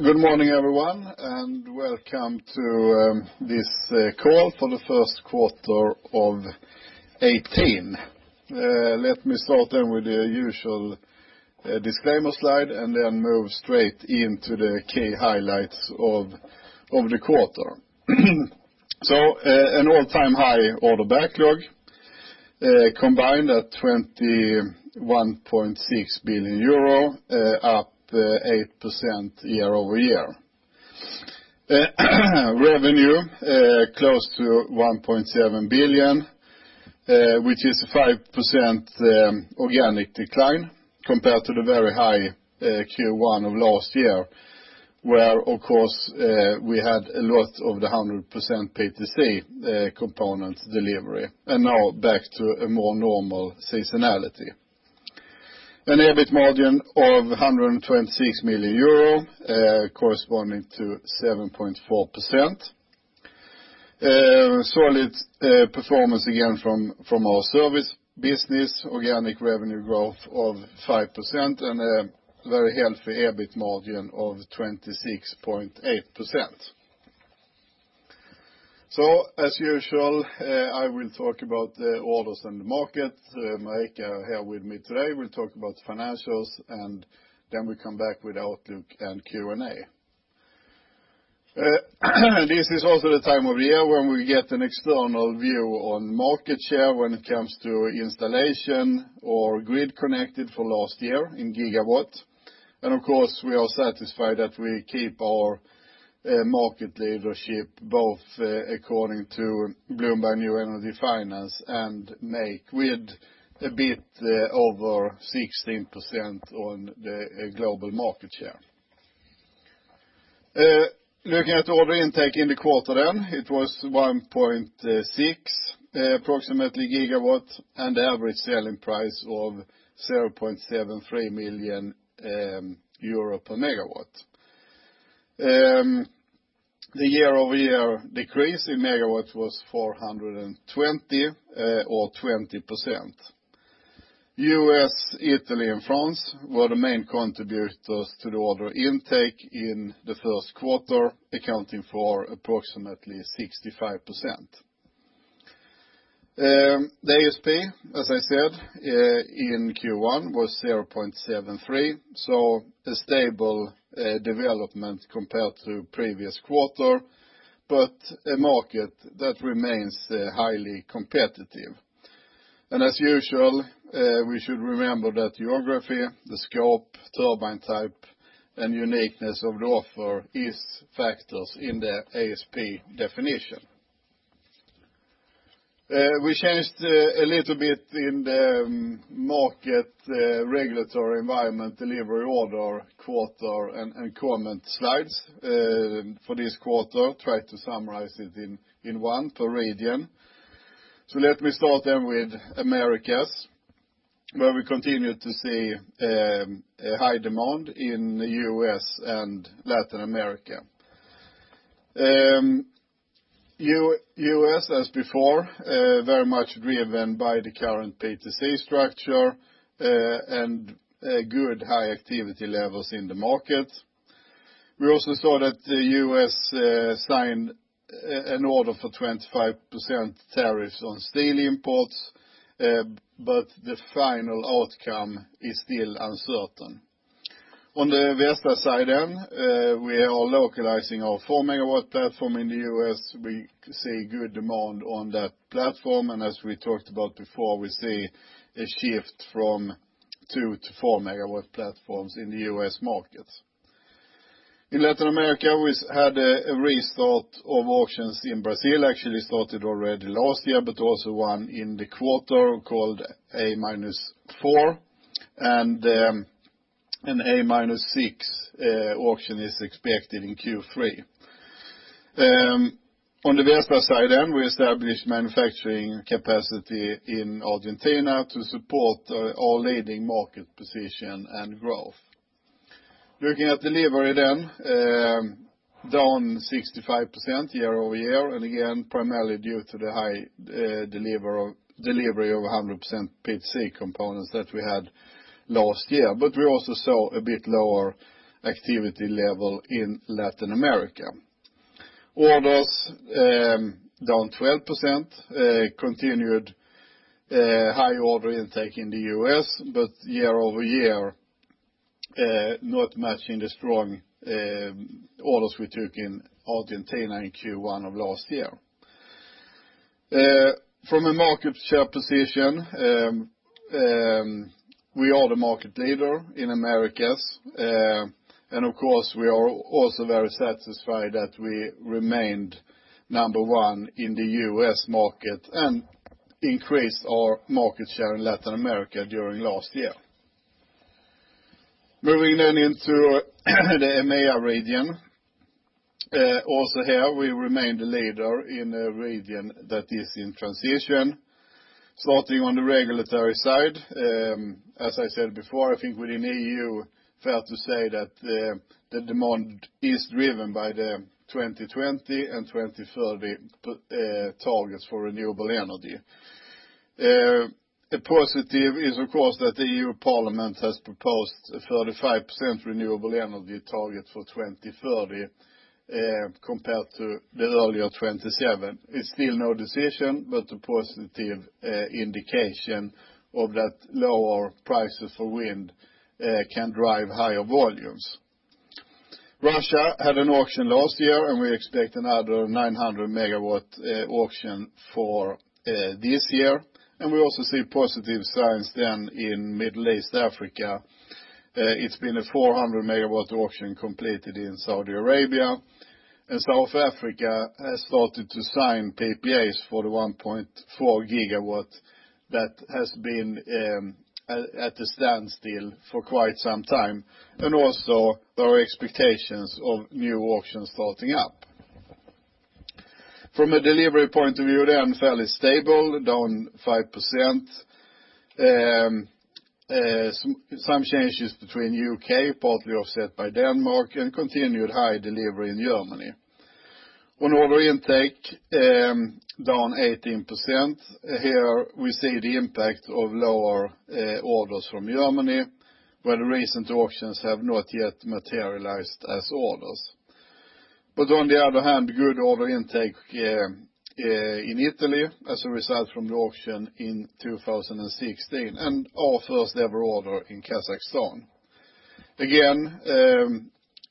Good morning, everyone, and welcome to this call for the first quarter of 2018. Let me start with the usual disclaimer slide and move straight into the key highlights of the quarter. An all-time high order backlog combined at 21.6 billion euro, up 8% year-over-year. Revenue close to 1.7 billion, which is 5% organic decline compared to the very high Q1 of last year, where, of course, we had a lot of the 100% PTC components delivery. Now back to a more normal seasonality. An EBIT margin of 126 million euro, corresponding to 7.4%. Solid performance again from our service business, organic revenue growth of 5% and a very healthy EBIT margin of 26.8%. As usual, I will talk about the orders and the market. Marika here with me today will talk about financials, and we come back with the outlook and Q&A. This is also the time of year when we get an external view on market share when it comes to installation or grid connected for last year in gigawatts. Of course, we are satisfied that we keep our market leadership, both according to Bloomberg New Energy Finance and MAKE, with a bit over 16% on the global market share. Looking at order intake in the quarter, it was 1.6 approximately gigawatts and average selling price of 0.73 million euro per megawatt. The year-over-year decrease in megawatts was 420 or 20%. U.S., Italy, and France were the main contributors to the order intake in the first quarter, accounting for approximately 65%. The ASP, as I said, in Q1 was 0.73, a stable development compared to previous quarter, but a market that remains highly competitive. As usual, we should remember that geography, the scope, turbine type, and uniqueness of the offer is factors in the ASP definition. We changed a little bit in the market regulatory environment, delivery order, quarter and comment slides for this quarter, try to summarize it in one per region. Let me start with Americas, where we continue to see a high demand in U.S. and Latin America. U.S., as before, very much driven by the current PTC structure and good high activity levels in the market. We also saw that the U.S. signed an order for 25% tariffs on steel imports, but the final outcome is still uncertain. On the Vestas side, we are localizing our 4-megawatt platform in the U.S. We see good demand on that platform. As we talked about before, we see a shift from 2 to 4-megawatt platforms in the U.S. market. In Latin America, we had a restart of auctions in Brazil, actually started already last year, but also one in the quarter called A-4, and an A-6 auction is expected in Q3. On the Vestas side, we established manufacturing capacity in Argentina to support our leading market position and growth. Looking at delivery, down 65% year-over-year, primarily due to the high delivery of 100% PTC components that we had last year. We also saw a bit lower activity level in Latin America. Orders down 12%, continued high order intake in the U.S., but year-over-year, not matching the strong orders we took in Argentina in Q1 of last year. From a market share position, we are the market leader in Americas. Of course, we are also very satisfied that we remained number 1 in the U.S. market and increased our market share in Latin America during last year. Moving into the EMEA region. Here, we remain the leader in a region that is in transition. Starting on the regulatory side, as I said before, I think within EU, fair to say that the demand is driven by the 2020 and 2030 targets for renewable energy. A positive is, of course, that the European Parliament has proposed a 35% renewable energy target for 2030, compared to the earlier 27%. It is still no decision, but a positive indication of that lower prices for wind can drive higher volumes. Russia had an auction last year, we expect another 900 MW auction for this year. We also see positive signs in Middle East Africa. It has been a 400 MW auction completed in Saudi Arabia, and South Africa has started to sign PPAs for the 1.4 GW that has been at a standstill for quite some time, and also there are expectations of new auctions starting up. From a delivery point of view, fairly stable, down 5%. Some changes between U.K., partly offset by Denmark, and continued high delivery in Germany. On order intake, down 18%. Here we see the impact of lower orders from Germany, where the recent auctions have not yet materialized as orders. On the other hand, good order intake in Italy as a result from the auction in 2016, and our first-ever order in Kazakhstan. Again,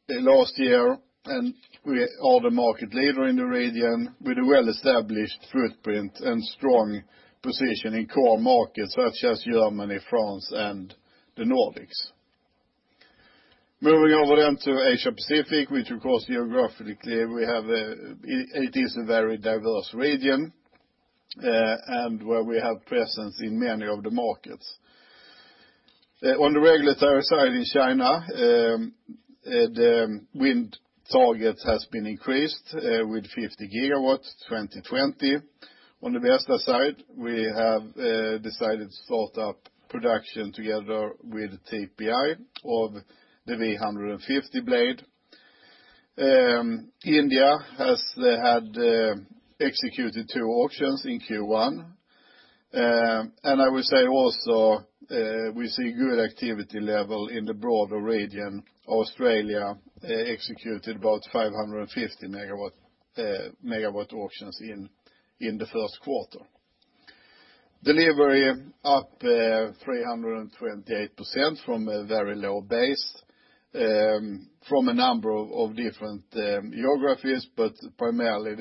last year, we are the market leader in the region with a well-established footprint and strong position in core markets such as Germany, France, and the Nordics. Moving over to Asia Pacific, which of course, geographically it is a very diverse region, and where we have presence in many of the markets. On the regulatory side in China, the wind target has been increased with 50 GW, 2020. On the Vestas side, we have decided to start up production together with TPI of the V150 blade. India has had executed two auctions in Q1. I will say also, we see good activity level in the broader region. Australia executed about 550 MW auctions in the first quarter. Delivery up 328% from a very low base, from a number of different geographies, but primarily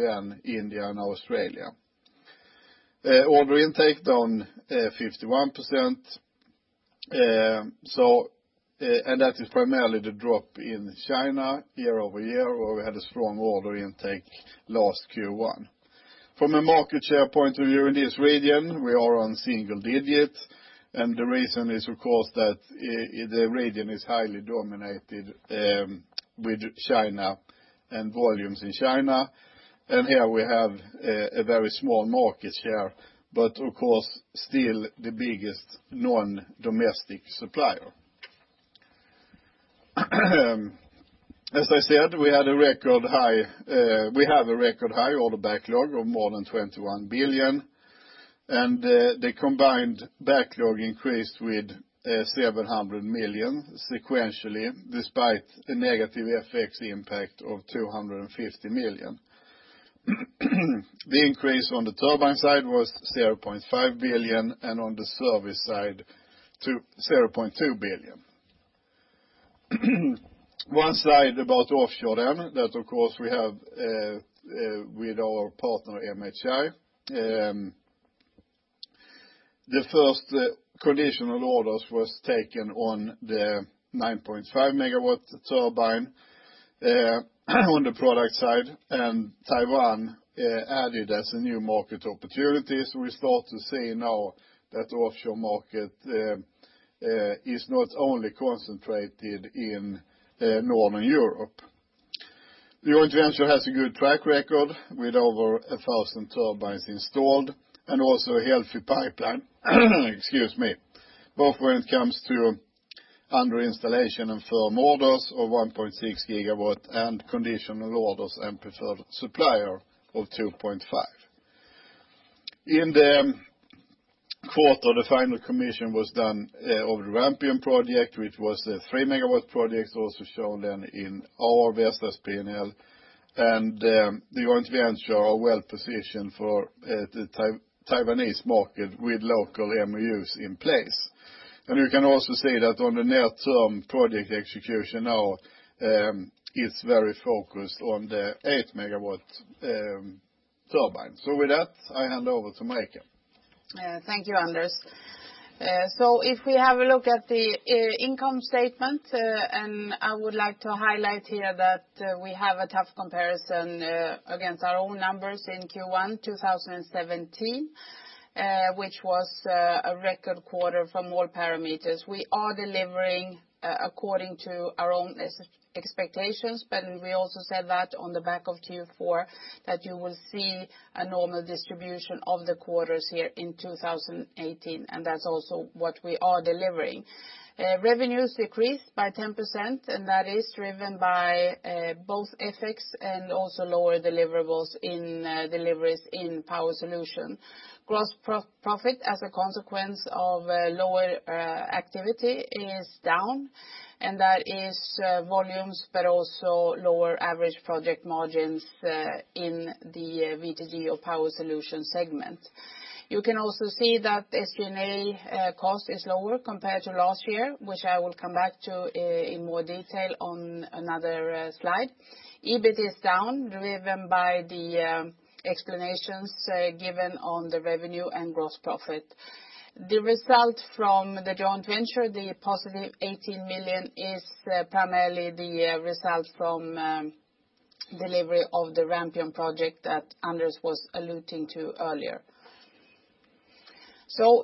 India and Australia. Order intake down 51%, that is primarily the drop in China year-over-year, where we had a strong order intake last Q1. From a market share point of view in this region, we are on single digits, the reason is, of course, that the region is highly dominated with China and volumes in China. Here we have a very small market share, but of course, still the biggest non-domestic supplier. As I said, we have a record high order backlog of more than 21 billion. The combined backlog increased with 700 million sequentially, despite the negative FX impact of 250 million. The increase on the turbine side was 0.5 billion, and on the service side, 0.2 billion. One slide about offshore, that, of course, we have with our partner, MHI. The first conditional orders was taken on the 9.5 MW turbine on the product side, Taiwan added as a new market opportunity. We start to see now that the offshore market is not only concentrated in Northern Europe. The joint venture has a good track record with over 1,000 turbines installed and also a healthy pipeline, excuse me, both when it comes to under installation and firm orders of 1.6 GW and conditional orders and preferred supplier of 2.5 GW. In the quarter, the final commission was done of the Rampion project, which was a 3 MW project also shown then in our Vestas P&L. The joint venture are well-positioned for the Taiwanese market with local MOUs in place. You can also see that on the near-term project execution now is very focused on the 8 MW turbine. With that, I hand over to Marika. Thank you, Anders. If we have a look at the income statement, I would like to highlight here that we have a tough comparison against our own numbers in Q1 2017, which was a record quarter for more parameters. We are delivering according to our own expectations, but we also said that on the back of Q4, that you will see a normal distribution of the quarters here in 2018, that's also what we are delivering. Revenues decreased by 10%, that is driven by both FX and also lower deliverables in deliveries in Power Solutions. Gross profit as a consequence of lower activity is down, that is volumes, but also lower average project margins in the VTG or Power Solutions segment. You can also see that SGA cost is lower compared to last year, which I will come back to in more detail on another slide. EBIT is down, driven by the explanations given on the revenue and gross profit. The result from the joint venture, the positive 18 million, is primarily the result from delivery of the Rampion project that Anders was alluding to earlier.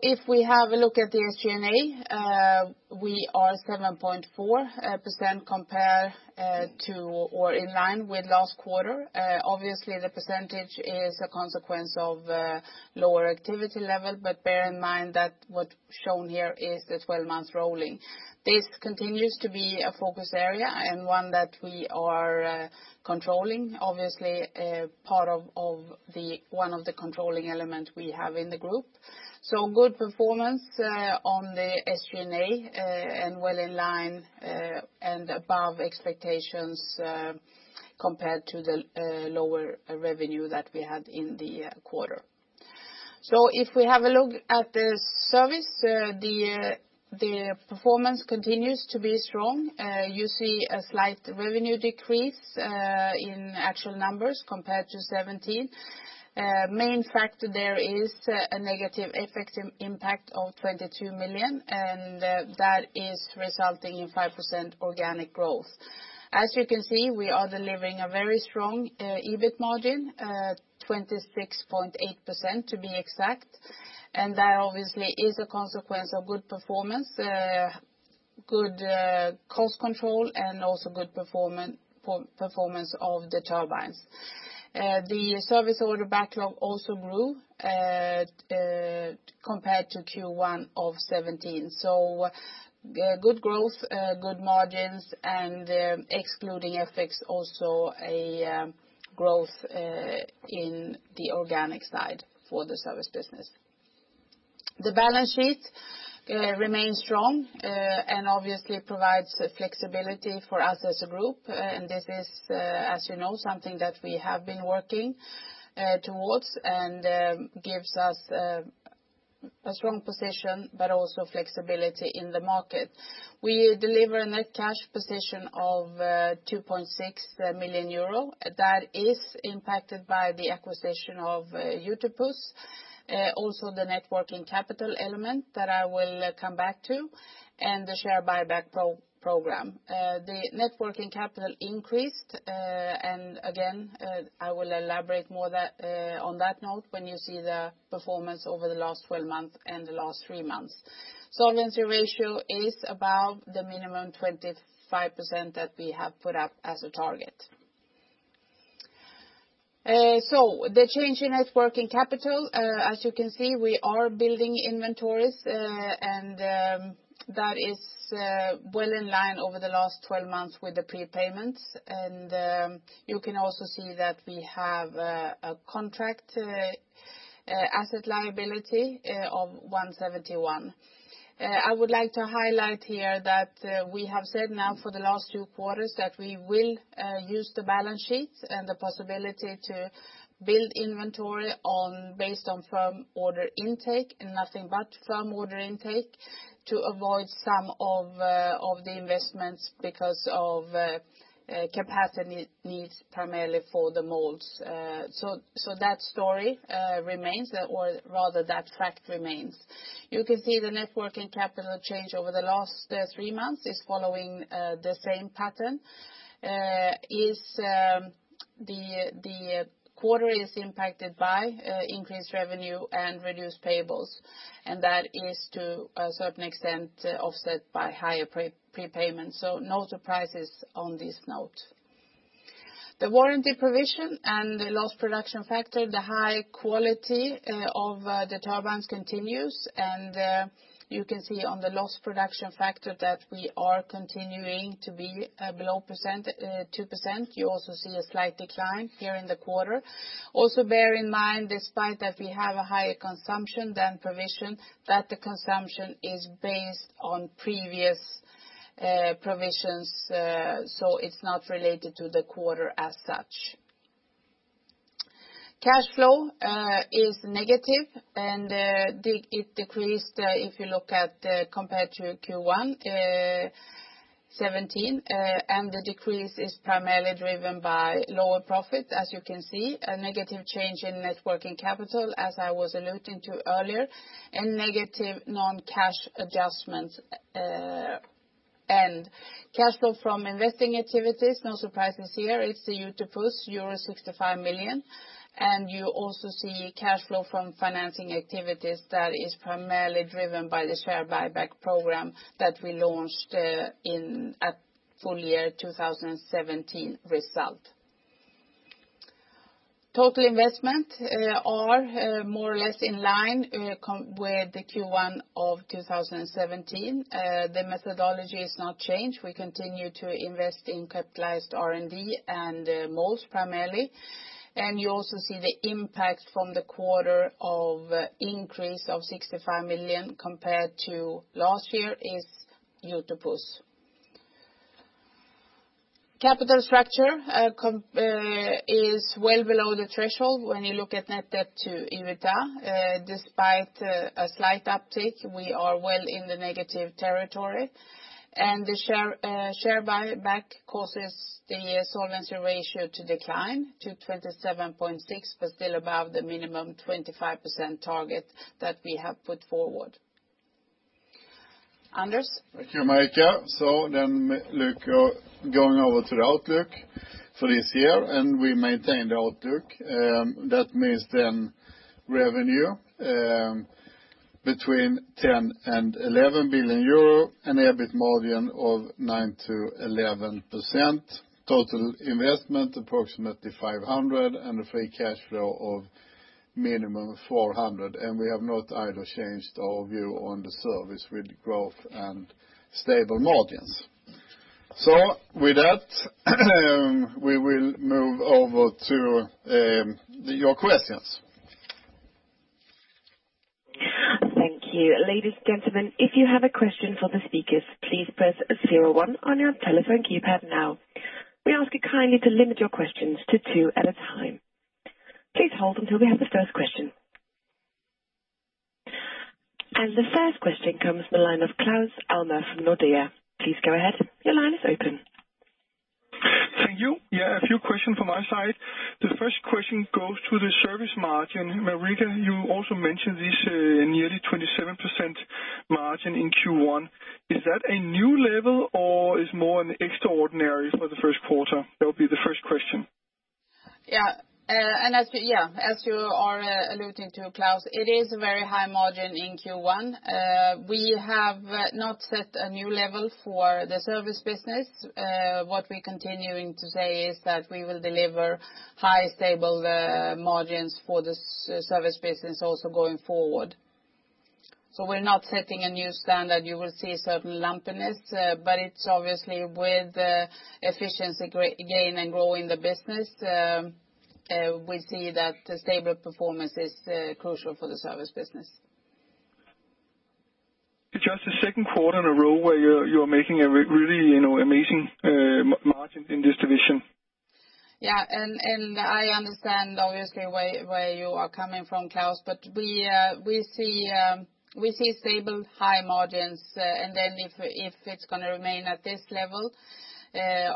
If we have a look at the SGA, we are 7.4% compared to, or in line with last quarter. Obviously, the percentage is a consequence of lower activity level, but bear in mind that what's shown here is the 12-month rolling. This continues to be a focus area and one that we are controlling. Obviously, part of one of the controlling elements we have in the group. Good performance on the SGA, well in line and above expectations compared to the lower revenue that we had in the quarter. If we have a look at the service, the performance continues to be strong. You see a slight revenue decrease in actual numbers compared to 2017. Main factor there is a negative effective impact of 22 million, that is resulting in 5% organic growth. As you can see, we are delivering a very strong EBIT margin, 26.8% to be exact, that obviously is a consequence of good performance, good cost control, and also good performance of the turbines. The service order backlog also grew compared to Q1 of 2017. Good growth, good margins, excluding effects, also a growth in the organic side for the service business. The balance sheet remains strong. Obviously provides flexibility for us as a group. This is, as you know, something that we have been working towards and gives us a strong position, but also flexibility in the market. We deliver a net cash position of 2.6 million euro. That is impacted by the acquisition of Utopus, the net working capital element that I will come back to, and the share buyback program. The net working capital increased. Again, I will elaborate more on that note when you see the performance over the last 12 months and the last three months. Solvency ratio is above the minimum 25% that we have put up as a target. The change in net working capital. As you can see, we are building inventories, and that is well in line over the last 12 months with the prepayments. You can also see that we have a contract asset liability of 171 million. I would like to highlight here that we have said now for the last two quarters that we will use the balance sheet and the possibility to build inventory based on firm order intake and nothing but firm order intake to avoid some of the investments because of capacity needs, primarily for the molds. That story remains, or rather that fact remains. You can see the net working capital change over the last three months is following the same pattern. The quarter is impacted by increased revenue and reduced payables, and that is to a certain extent offset by higher prepayments. No surprises on this note. The warranty provision and the lost production factor, the high quality of the turbines continues. You can see on the lost production factor that we are continuing to be below 2%. You also see a slight decline here in the quarter. Bear in mind, despite that we have a higher consumption than provision, that the consumption is based on previous provisions. It's not related to the quarter as such. Cash flow is negative. It decreased if you look at compared to Q1 2017. The decrease is primarily driven by lower profits, as you can see, a negative change in net working capital, as I was alluding to earlier, and negative non-cash adjustments. Cash flow from investing activities, no surprises here. It's the Utopus, euro 65 million. You also see cash flow from financing activities that is primarily driven by the share buyback program that we launched at full year 2017 result. Total investment are more or less in line with the Q1 of 2017. The methodology is not changed. We continue to invest in capitalized R&D and molds primarily. You also see the impact from the quarter of increase of 65 million compared to last year is Utopus. Capital structure is well below the threshold when you look at net debt to EBITDA. Despite a slight uptick, we are well in the negative territory. The share buyback causes the solvency ratio to decline to 27.6%, but still above the minimum 25% target that we have put forward. Anders? Thank you, Marika. Going over to the outlook for this year, we maintain the outlook. That means revenue between 10 billion and 11 billion euro, an EBIT margin of 9%-11%, total investment approximately 500 million, and a free cash flow of minimum 400 million. We have not either changed our view on the service with growth and stable margins. With that, we will move over to your questions. Thank you. Ladies and gentlemen, if you have a question for the speakers, please press 01 on your telephone keypad now. We ask you kindly to limit your questions to two at a time. Please hold until we have the first question. The first question comes from the line of Claus Almer from Nordea. Please go ahead. Your line is open. Thank you. A few questions from my side. The first question goes to the service margin. Marika, you also mentioned this, nearly 27% margin in Q1. Is that a new level, or is more extraordinary for the first quarter? That would be the first question. As you are alluding to, Claus, it is a very high margin in Q1. We have not set a new level for the service business. What we're continuing to say is that we will deliver high, stable margins for the service business also going forward. We're not setting a new standard. You will see certain lumpiness, but it's obviously with efficiency gain and growing the business, we see that stable performance is crucial for the service business. It's just the second quarter in a row where you're making a really amazing margin in this division. Yeah. I understand, obviously, where you are coming from, Claus, we see stable high margins. If it's going to remain at this level,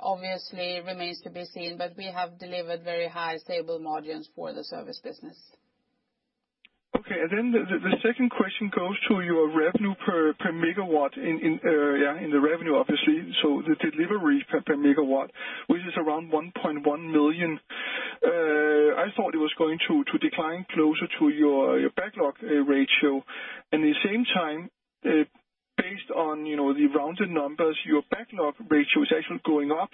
obviously remains to be seen, we have delivered very high, stable margins for the service business. Okay. The second question goes to your revenue per megawatt in the revenue, obviously. The delivery per megawatt, which is around 1.1 million. I thought it was going to decline closer to your backlog ratio. In the same time based on the rounded numbers, your backlog ratio is actually going up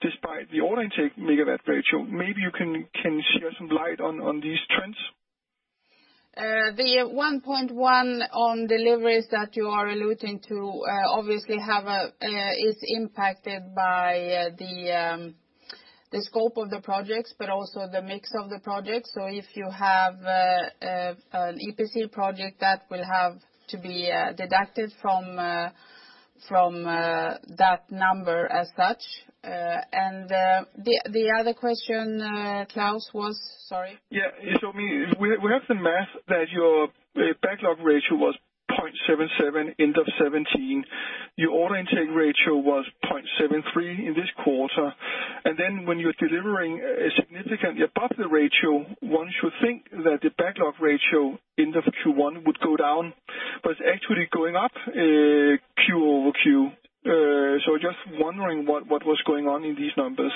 despite the order intake megawatt ratio. Maybe you can shed some light on these trends. The 1.1 on deliveries that you are alluding to obviously is impacted by the scope of the projects, also the mix of the projects. If you have an EPC project, that will have to be deducted from that number as such. The other question, Claus was? Sorry. We have the math that your backlog ratio was 0.77 end of 2017. Your order intake ratio was 0.73 in this quarter. When you're delivering significantly above the ratio, one should think that the backlog ratio end of Q1 would go down, but it's actually going up quarter-over-quarter. Just wondering what was going on in these numbers.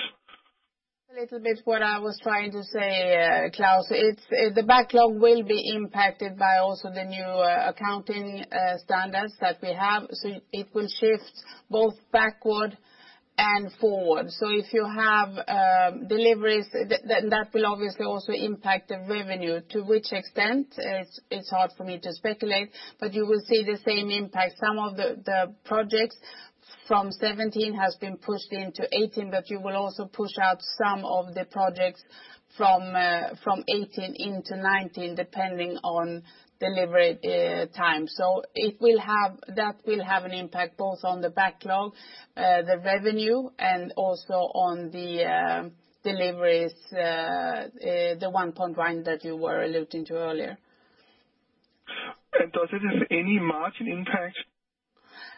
A little bit what I was trying to say, Claus. The backlog will be impacted by also the new accounting standards that we have. It will shift both backward and forward. If you have deliveries, that will obviously also impact the revenue. To which extent, it's hard for me to speculate, but you will see the same impact. Some of the projects from 2017 has been pushed into 2018, but you will also push out some of the projects from 2018 into 2019, depending on delivery time. That will have an impact both on the backlog, the revenue, and also on the deliveries, the 1.1 that you were alluding to earlier. Does it have any margin impact?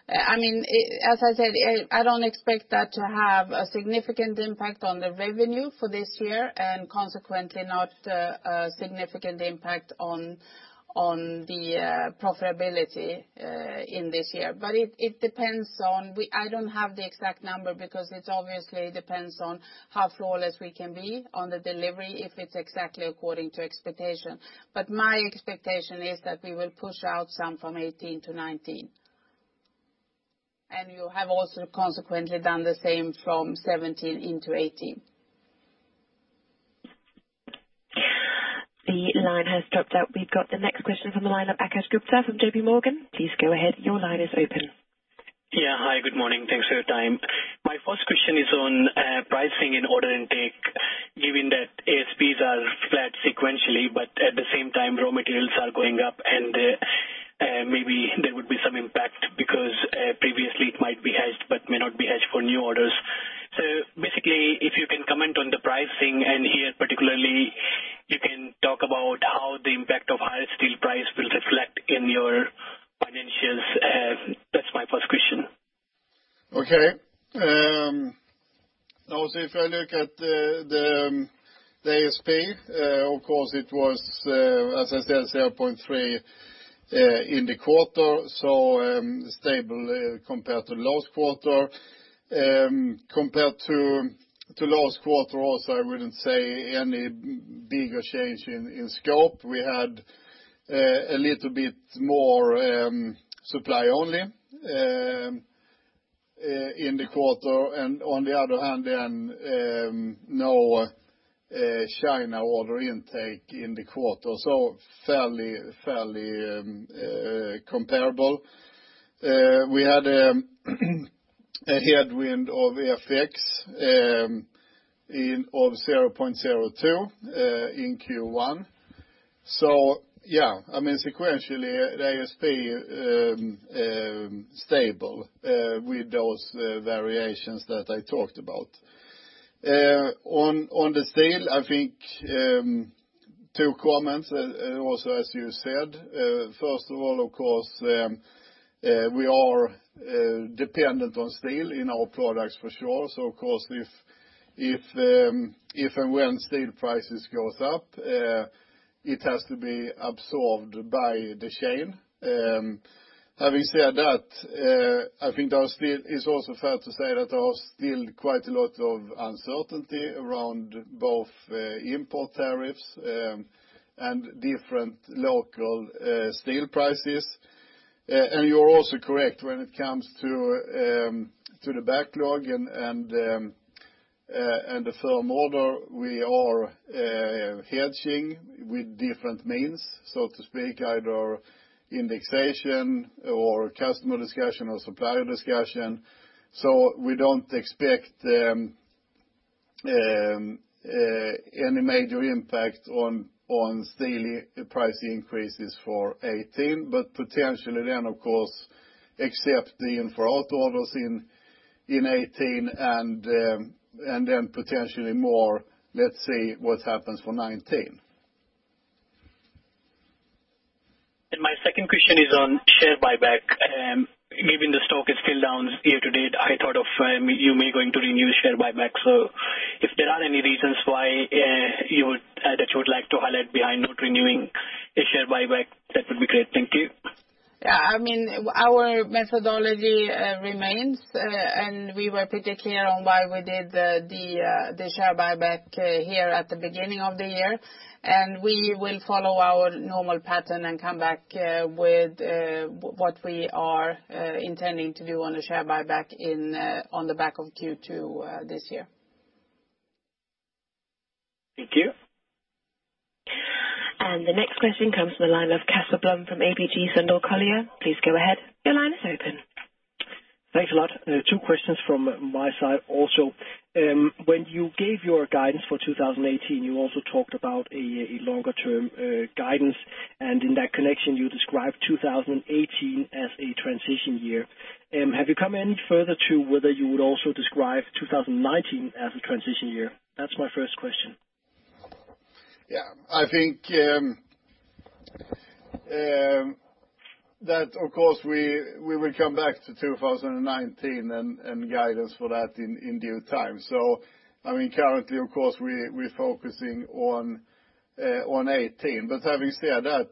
As I said, I don't expect that to have a significant impact on the revenue for this year, and consequently not a significant impact on the profitability in this year. It depends on, I don't have the exact number because it obviously depends on how flawless we can be on the delivery, if it's exactly according to expectation. My expectation is that we will push out some from 2018 to 2019. You have also consequently done the same from 2017 into 2018. The line has dropped out. We've got the next question from the line of Akash Gupta from JPMorgan. Please go ahead. Your line is open. Yeah. Hi, good morning. Thanks for your time. My first question is on pricing and order intake, given that ASPs are flat sequentially, at the same time, raw materials are going up. Maybe there would be some impact because previously it might be hedged but may not be hedged for new orders. Basically, if you can comment on the pricing and here particularly you can talk about how the impact of higher steel price will reflect in your financials. That's my first question. Okay. If I look at the ASP, of course it was, as I said, 0.3 in the quarter, so stable compared to last quarter. Compared to last quarter also I wouldn't say any bigger change in scope. We had a little bit more supply only in the quarter and on the other hand then, no China order intake in the quarter, so fairly comparable. We had a headwind of FX of 0.02 in Q1. Yeah, sequentially the ASP stable with those variations that I talked about. On the sale, I think two comments, also as you said. First of all, of course, we are dependent on steel in our products for sure, of course if and when steel prices go up, it has to be absorbed by the chain. Having said that, I think it's also fair to say that there are still quite a lot of uncertainty around both import tariffs and different local steel prices. You're also correct when it comes to the backlog and the firm order, we are hedging with different means, so to speak, either indexation or customer discussion or supplier discussion. We don't expect any major impact on daily price increases for 2018, but potentially then, of course, except then for auto orders in 2018 and then potentially more, let's see what happens for 2019. My second question is on share buyback. Given the stock is still down year-to-date, I thought of you may going to renew share buyback. If there are any reasons why that you would like to highlight behind not renewing a share buyback, that would be great. Thank you. Our methodology remains, and we were pretty clear on why we did the share buyback here at the beginning of the year. We will follow our normal pattern and come back with what we are intending to do on the share buyback on the back of Q2 this year. Thank you. The next question comes from the line of Casper Blom from ABG Sundal Collier. Please go ahead. Your line is open. Thanks a lot. Two questions from my side also. When you gave your guidance for 2018, you also talked about a longer term guidance, and in that connection, you described 2018 as a transition year. Have you come any further to whether you would also describe 2019 as a transition year? That's my first question. Yeah, I think that of course we will come back to 2019 and guidance for that in due time. Currently, of course, we're focusing on 2018. Having said that,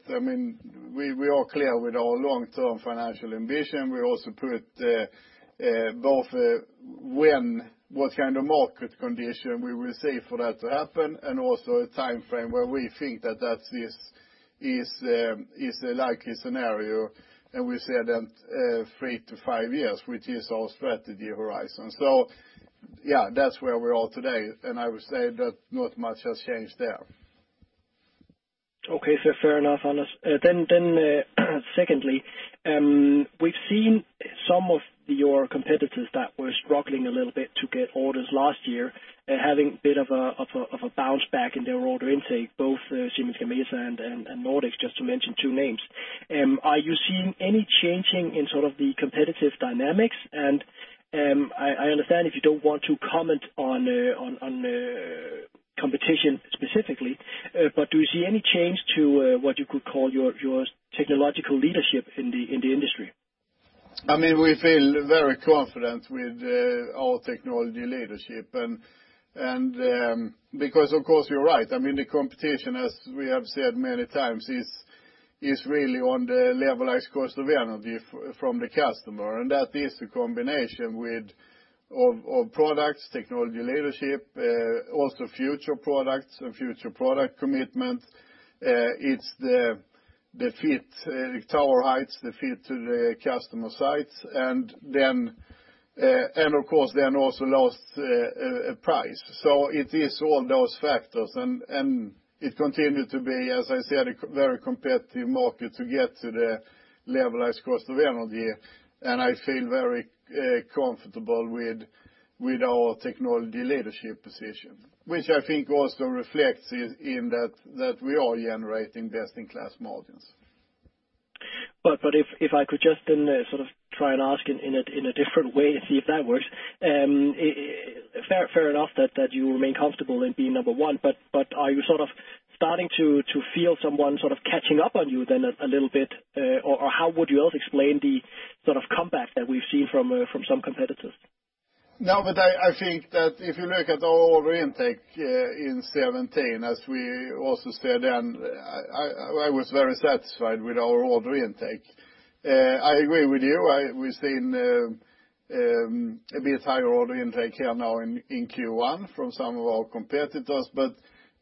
we are clear with our long-term financial ambition. We also put both what kind of market condition we will see for that to happen and also a time frame where we think that this is a likely scenario. We said that three to five years, which is our strategy horizon. Yeah, that's where we are today, and I would say that not much has changed there. Okay, fair enough on this. Secondly, we've seen some of your competitors that were struggling a little bit to get orders last year are having a bit of a bounce back in their order intake, both Siemens Gamesa and Nordex, just to mention two names. Are you seeing any changing in sort of the competitive dynamics? I understand if you don't want to comment on competition specifically, but do you see any change to what you could call your technological leadership in the industry? We feel very confident with our technology leadership, because of course, you're right. The competition, as we have said many times, is really on the levelized cost of energy from the customer, and that is the combination of products, technology leadership, also future products and future product commitment. It's the tower heights, the fit to the customer sites, and of course, then also last, price. It is all those factors, and it continued to be, as I said, a very competitive market to get to the levelized cost of energy. I feel very comfortable with our technology leadership position, which I think also reflects in that we are generating best-in-class margins. If I could just try and ask in a different way and see if that works. Fair enough that you remain comfortable in being number one, but are you starting to feel someone catching up on you a little bit? How would you else explain the comeback that we've seen from some competitors? I think that if you look at our order intake in 2017, as we also said then, I was very satisfied with our order intake. I agree with you. We've seen a bit higher order intake here now in Q1 from some of our competitors.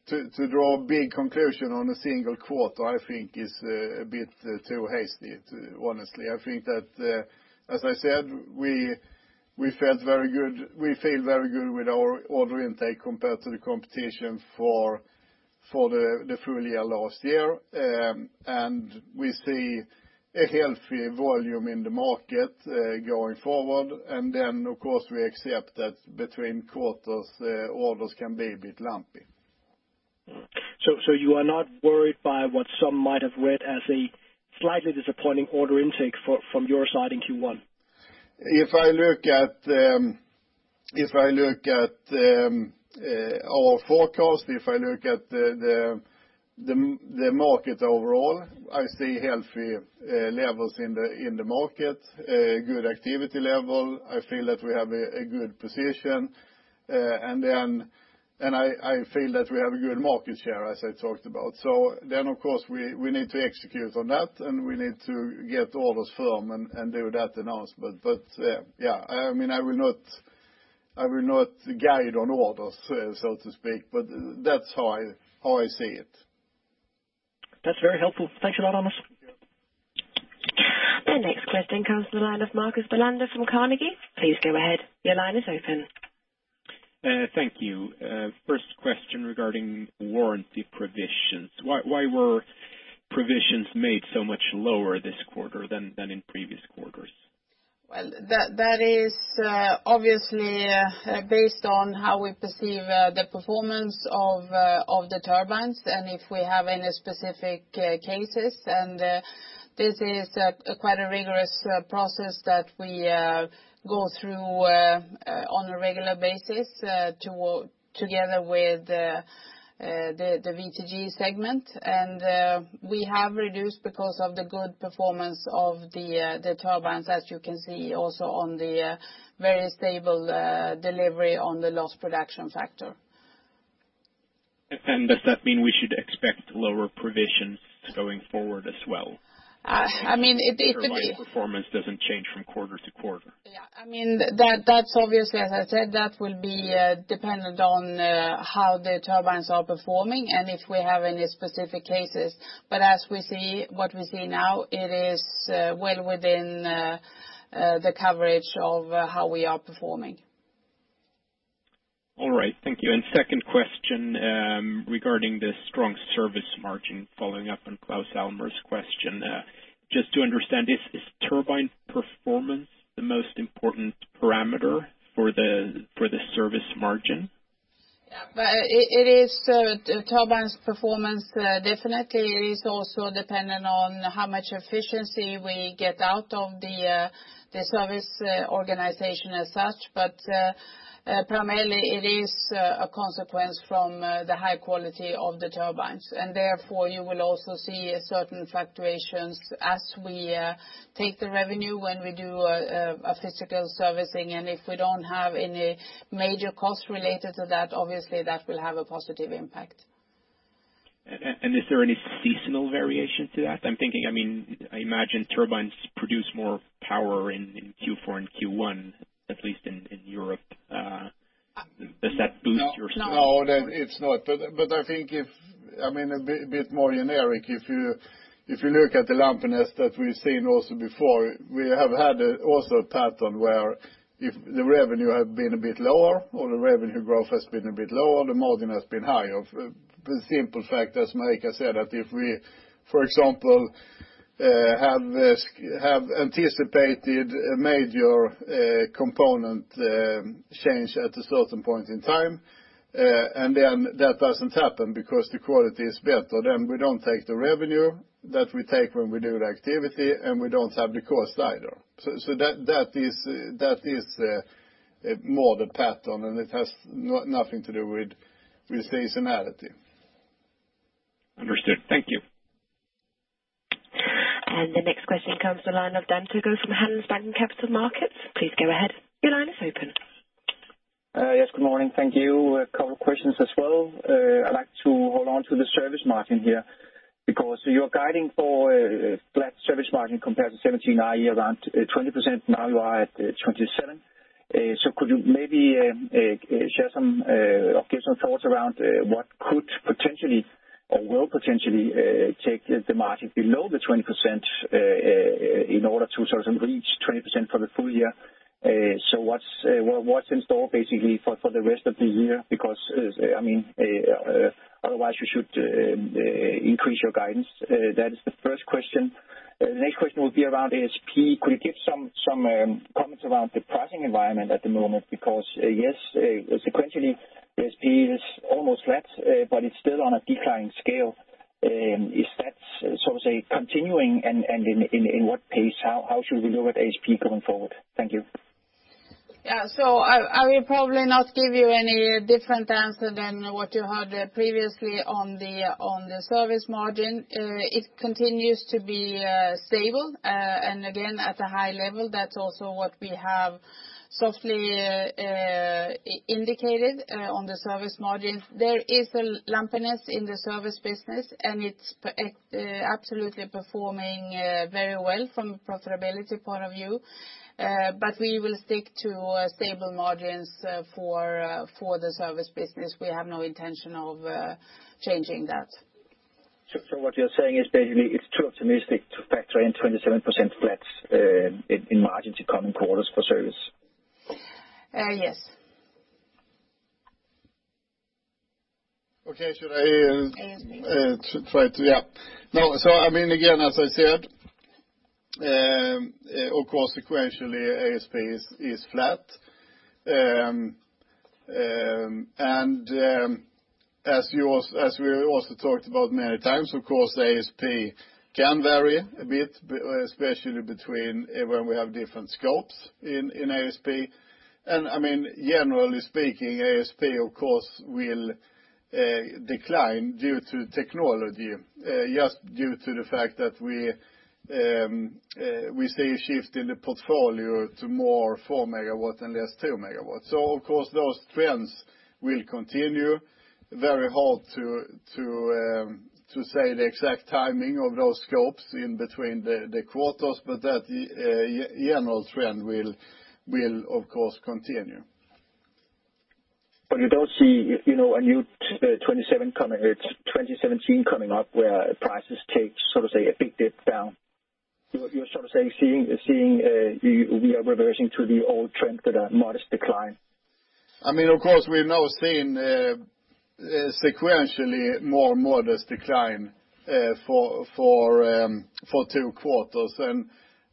To draw a big conclusion on a single quarter, I think is a bit too hasty, honestly. I think that, as I said, we feel very good with our order intake compared to the competition for the full year last year. We see a healthy volume in the market, going forward. Of course, we accept that between quarters, the orders can be a bit lumpy. You are not worried by what some might have read as a slightly disappointing order intake from your side in Q1? If I look at our forecast, if I look at the market overall, I see healthy levels in the market, a good activity level. I feel that we have a good position. I feel that we have a good market share, as I talked about. Of course, we need to execute on that, and we need to get orders firm and do that announcement. Yeah, I will not guide on orders, so to speak, but that's how I see it. That's very helpful. Thanks a lot, Anders. The next question comes from the line of Markus Almerud from Carnegie. Please go ahead. Your line is open. Thank you. First question regarding warranty provisions. Why were provisions made so much lower this quarter than in previous quarters? Well, that is obviously based on how we perceive the performance of the turbines and if we have any specific cases. This is quite a rigorous process that we go through on a regular basis together with the VTG segment. We have reduced because of the good performance of the turbines, as you can see also on the very stable delivery on the lost production factor. Does that mean we should expect lower provisions going forward as well? I mean, Turbine performance doesn't change from quarter to quarter. Yeah. That's obviously, as I said, that will be dependent on how the turbines are performing and if we have any specific cases. As we see, what we see now, it is well within the coverage of how we are performing. All right. Thank you. Second question, regarding the strong service margin following up on Claus Almer's question. Just to understand, is turbine performance the most important parameter for the service margin? Yeah. Turbine's performance definitely is also dependent on how much efficiency we get out of the service organization as such. Primarily it is a consequence from the high quality of the turbines. Therefore, you will also see certain fluctuations as we take the revenue when we do a physical servicing. If we don't have any major costs related to that, obviously that will have a positive impact. Is there any seasonal variation to that? I imagine turbines produce more power in Q4 and Q1, at least in Europe. Does that boost your- No, it's not. I think, a bit more generic, if you look at the lumpiness that we've seen also before, we have had also a pattern where if the revenue has been a bit lower or the revenue growth has been a bit lower, the margin has been high. Of the simple fact, as Marika said, that if we, for example, have anticipated a major component change at a certain point in time, that doesn't happen because the quality is better, then we don't take the revenue that we take when we do the activity, we don't have the cost either. That is more the pattern, and it has nothing to do with seasonality. Understood. Thank you. The next question comes the line of Dan Togo from Handelsbanken Capital Markets. Please go ahead. Your line is open. Yes, good morning. Thank you. A couple questions as well. I'd like to hold on to the service margin here, because you're guiding for a flat service margin compared to 2017 i.e. around 20%, now you are at 27. Could you maybe share some thoughts around what could potentially or will potentially take the margin below the 20% in order to reach 20% for the full year? What's in store basically for the rest of the year? Otherwise you should increase your guidance. That is the first question. The next question will be around ASP. Could you give Comments around the pricing environment at the moment, yes, sequentially, ASP is almost flat, but it's still on a decline scale. Is that, so to say, continuing, and in what pace? How should we look at ASP going forward? Thank you. Yeah. I will probably not give you any different answer than what you heard previously on the service margin. It continues to be stable, and again, at a high level. That's also what we have softly indicated on the service margin. There is a lumpiness in the service business, and it's absolutely performing very well from a profitability point of view. We will stick to stable margins for the service business. We have no intention of changing that. What you're saying is basically it's too optimistic to factor in 27% flat in margin for coming quarters for Service. Yes. Okay. ASP Again, as I said, of course, sequentially, ASP is flat. As we also talked about many times, of course, ASP can vary a bit, especially between when we have different scopes in ASP. Generally speaking, ASP, of course, will decline due to technology, just due to the fact that we see a shift in the portfolio to more 4 MW and less 2 MW. Of course, those trends will continue. Very hard to say the exact timing of those scopes in between the quarters, but that general trend will of course continue. You don't see a new 2017 coming up where prices take, so to say, a big dip down. You're sort of saying, seeing we are reversing to the old trend to that modest decline. Of course, we're now seeing sequentially more modest decline for two quarters,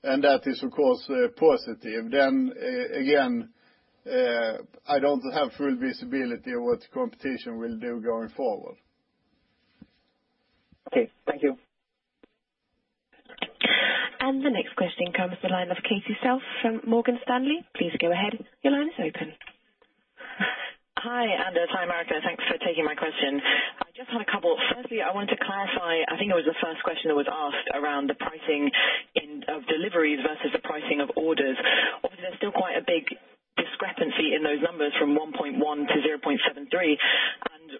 and that is, of course, positive. Again, I don't have full visibility of what competition will do going forward. Okay. Thank you. The next question comes the line of Katie Self from Morgan Stanley. Please go ahead. Your line is open. Hi, Anders. Hi, Marika. Thanks for taking my question. I just had a couple. Firstly, I wanted to clarify, I think it was the first question that was asked around the pricing of deliveries versus the pricing of orders. Obviously, there's still quite a big discrepancy in those numbers from 1.1 to 0.73.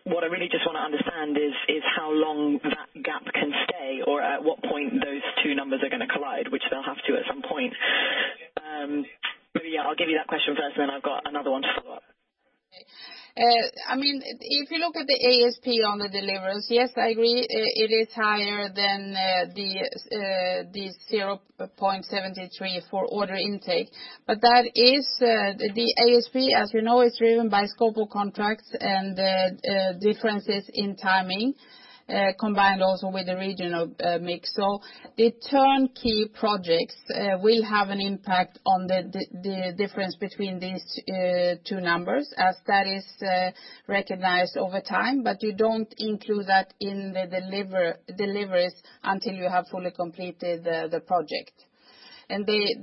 What I really just want to understand is how long that gap can stay or at what point those two numbers are going to collide, which they'll have to at some point. Yeah, I'll give you that question first, and then I've got another one to follow up. If you look at the ASP on the deliveries, yes, I agree, it is higher than the 0.73 for order intake. The ASP, as you know, is driven by scope of contracts and differences in timing, combined also with the regional mix. The turnkey projects will have an impact on the difference between these two numbers as that is recognized over time. You don't include that in the deliveries until you have fully completed the project.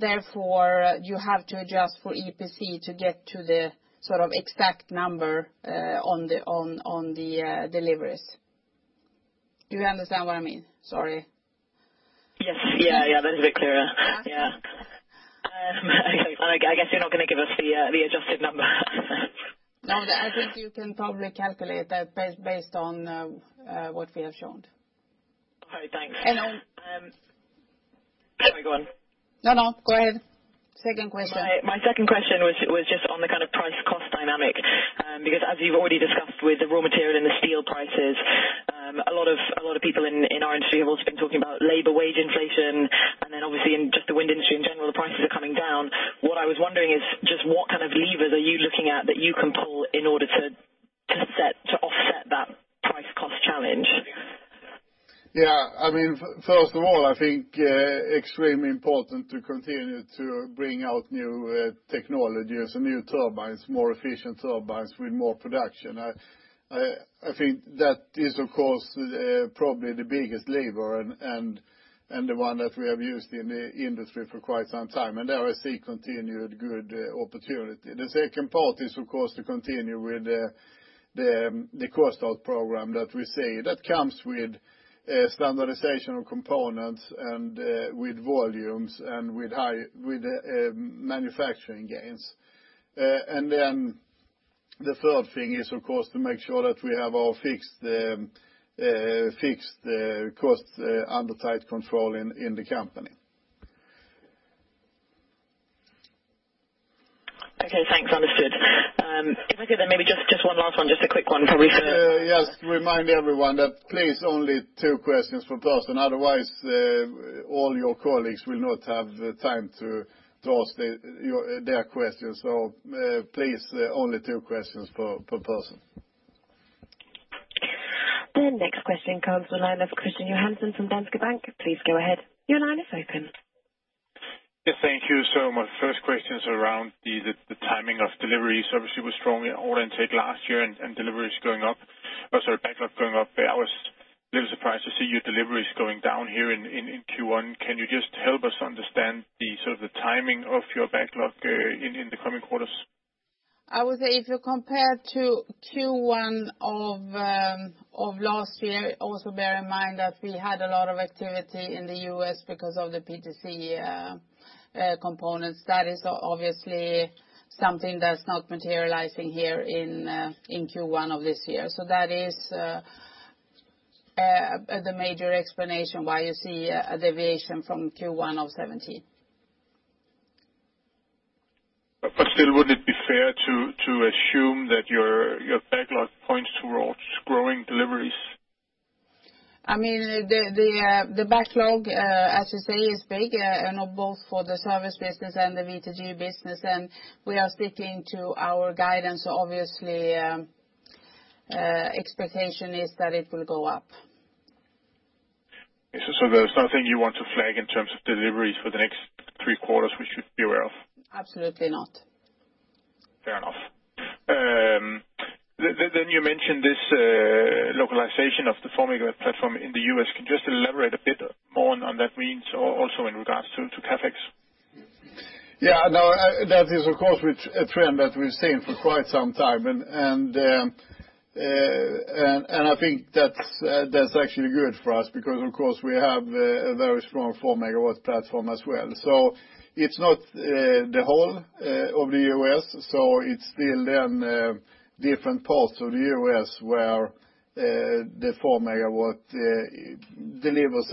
Therefore, you have to adjust for EPC to get to the exact number on the deliveries. You understand what I mean? Sorry. Yes. That's a bit clearer. Yeah. Okay. I guess you're not gonna give us the adjusted number. No, I think you can probably calculate that based on what we have shown. All right. Thanks. And, um- Sorry, go on. No, no. Go ahead. Second question. My second question was just on the price cost dynamic, because as you've already discussed with the raw material and the steel prices, a lot of people in our industry have also been talking about labor wage inflation, and then obviously in just the wind industry in general, the prices are coming down. What I was wondering is just what kind of levers are you looking at that you can pull in order to offset that price cost challenge? Yeah. First of all, I think extremely important to continue to bring out new technologies and new turbines, more efficient turbines with more production. I think that is, of course, probably the biggest lever and the one that we have used in the industry for quite some time, and there I see continued good opportunity. The second part is, of course, to continue with the cost out program that we see. That comes with standardization of components and with volumes, and with manufacturing gains. Then the third thing is, of course, to make sure that we have our fixed costs under tight control in the company. Okay, thanks. Understood. If I could then maybe just one last one, just a quick one probably for. Yes. Remind everyone that please only two questions per person, otherwise, all your colleagues will not have the time to ask their questions. Please, only two questions per person. The next question comes from the line of Kristian Johansen from Danske Bank. Please go ahead. Your line is open. Yes, thank you. My first question is around the timing of deliveries. Obviously, we had strong order intake last year and deliveries going up or sorry, backlog going up. I was a little surprised to see your deliveries going down here in Q1. Can you just help us understand the timing of your backlog in the coming quarters? I would say if you compare to Q1 of last year, also bear in mind that we had a lot of activity in the U.S. because of the PTC components. That is obviously something that's not materializing here in Q1 of this year. That is the major explanation why you see a deviation from Q1 of 2017. Still, would it be fair to assume that your backlog points towards growing deliveries? I mean, the backlog, as you say, is big, and both for the service business and the VTG business. We are sticking to our guidance, obviously, expectation is that it will go up. There's nothing you want to flag in terms of deliveries for the next three quarters we should be aware of? Absolutely not. Fair enough. You mentioned this localization of the four-megawatt platform in the U.S. Can you just elaborate a bit more on what that means or also in regards to CapEx? That is, of course, a trend that we've seen for quite some time, and I think that's actually good for us because, of course, we have a very strong four-megawatt platform as well. It's not the whole of the U.S. It's still then different parts of the U.S. where the four megawatt delivers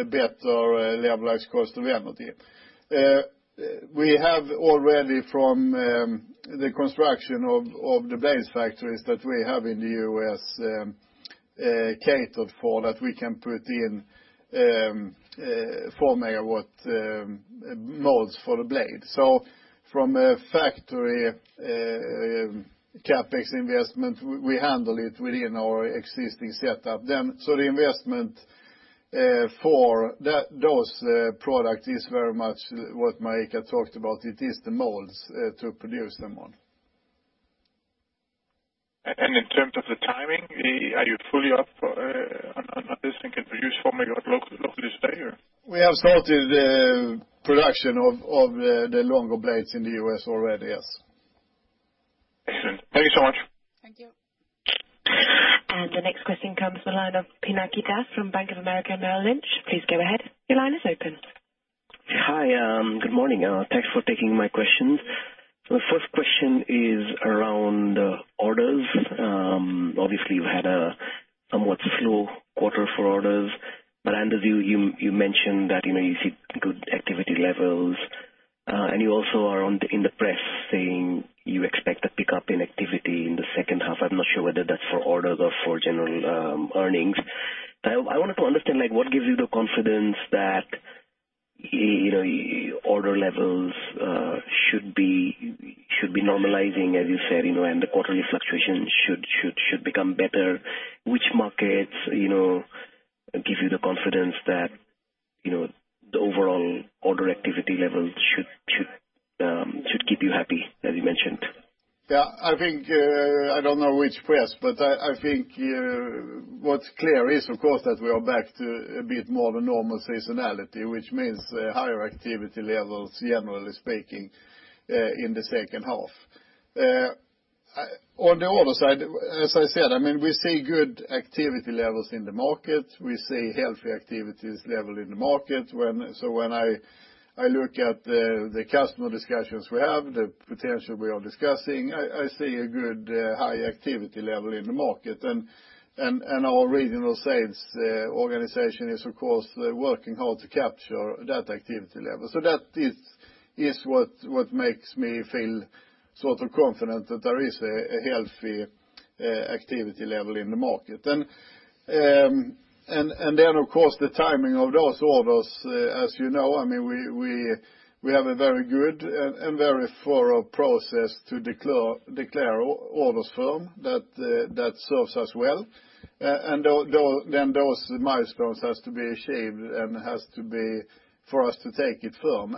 a better levelized cost of energy. We have already from the construction of the blades factories that we have in the U.S., catered for, that we can put in four megawatt molds for the blade. From a factory CapEx investment, we handle it within our existing setup then. The investment for those products is very much what Marika talked about. It is the molds to produce them on. In terms of the timing, are you fully up on this and can produce 4 MW locally this day or? We have started production of the longer blades in the U.S. already, yes. Excellent. Thank you so much. Thank you. The next question comes from the line of Pinaki Das from Bank of America Merrill Lynch. Please go ahead. Your line is open. Hi, good morning. Thanks for taking my questions. The first question is around orders. Obviously, you had a somewhat slow quarter for orders, but Anders, you mentioned that you see good activity levels. You also are in the press saying you expect a pickup in activity in the second half. I am not sure whether that is for orders or for general earnings. I wanted to understand what gives you the confidence that order levels should be normalizing, as you said, and the quarterly fluctuations should become better. Which markets give you the confidence that the overall order activity level should keep you happy, as you mentioned? Yeah. I do not know which press, but I think what is clear is, of course, that we are back to a bit more of a normal seasonality, which means higher activity levels, generally speaking, in the second half. On the order side, as I said, we see good activity levels in the market. We see healthy activities level in the market. When I look at the customer discussions we have, the potential we are discussing, I see a good high activity level in the market. Our regional sales organization is, of course, working hard to capture that activity level. That is what makes me feel sort of confident that there is a healthy activity level in the market. Then, of course, the timing of those orders. As you know, we have a very good and very thorough process to declare orders firm that serves us well. Those milestones has to be achieved and has to be for us to take it firm.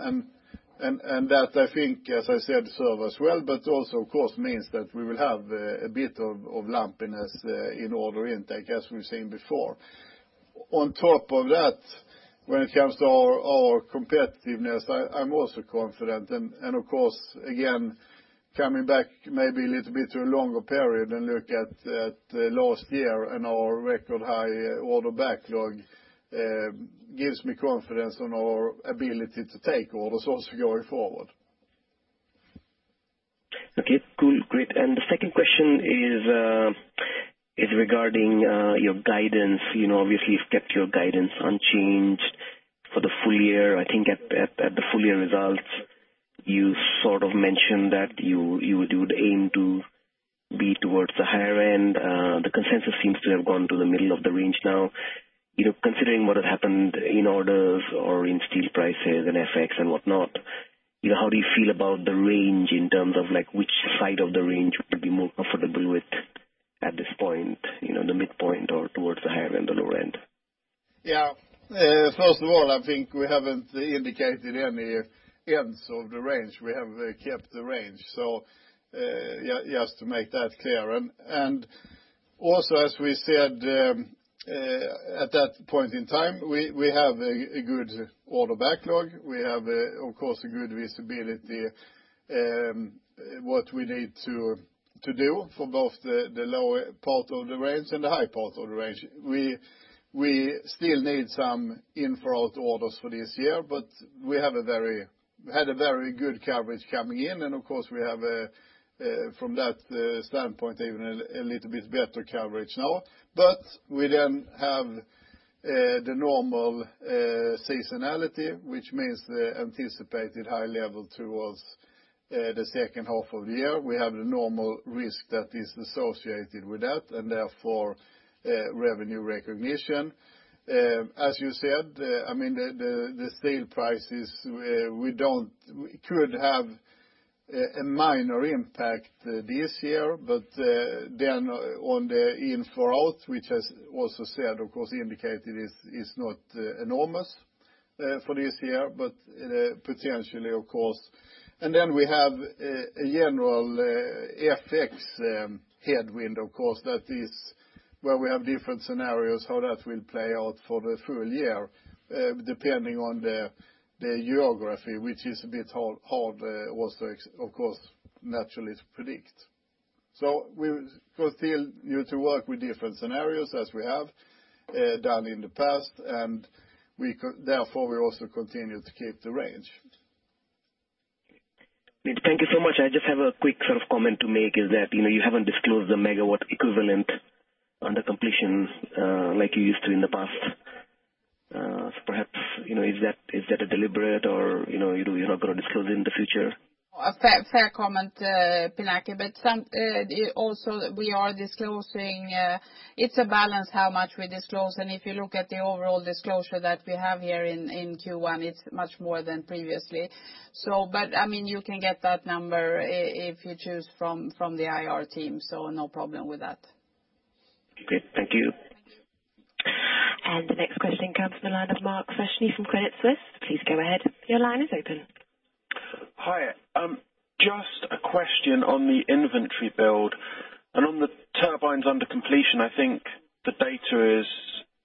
That I think, as I said, serve us well, but also, of course, means that we will have a bit of lumpiness in order intake as we have seen before. On top of that, when it comes to our competitiveness, I am also confident. Of course, again, coming back maybe a little bit to a longer period and look at last year and our record high order backlog, gives me confidence on our ability to take orders also going forward. Okay, cool. Great. The second question is regarding your guidance. Obviously, you've kept your guidance unchanged for the full year. I think at the full year results, you sort of mentioned that you would aim to be towards the higher end. The consensus seems to have gone to the middle of the range now. Considering what had happened in orders or in steel prices and FX and whatnot, how do you feel about the range in terms of which side of the range would be more comfortable with at this point, the midpoint or towards the higher end or lower end? Yeah. First of all, I think we haven't indicated any ends of the range. We have kept the range. Just to make that clear. Also, as we said, at that point in time, we have a good order backlog. We have, of course, a good visibility, what we need to do for both the lower part of the range and the high part of the range. We still need some in-for-out orders for this year, but we had a very good coverage coming in. Of course, we have, from that standpoint, even a little bit better coverage now. We then have the normal seasonality, which means the anticipated high level towards the second half of the year. We have the normal risk that is associated with that, and therefore, revenue recognition. As you said, the sale prices could have a minor impact this year, but then on the in-for-out, which as also said, of course, indicated is not enormous for this year, but potentially, of course. Then we have a general FX headwind, of course, that is where we have different scenarios for how that will play out for the full year, depending on the geography, which is a bit hard also, of course, naturally, to predict. We continue to work with different scenarios as we have done in the past, and therefore we also continue to keep the range. Thank you so much. I just have a quick comment to make is that, you haven't disclosed the megawatt equivalent under completion, like you used to in the past. Perhaps, is that deliberate or you're not going to disclose it in the future? Also, we are disclosing, it's a balance how much we disclose. If you look at the overall disclosure that we have here in Q1, it's much more than previously. You can get that number if you choose from the IR team, so no problem with that. Okay. Thank you. The next question comes from the line of Mark Freshney from Credit Suisse. Please go ahead. Your line is open. Hi. Just a question on the inventory build. On the turbines under completion, I think the data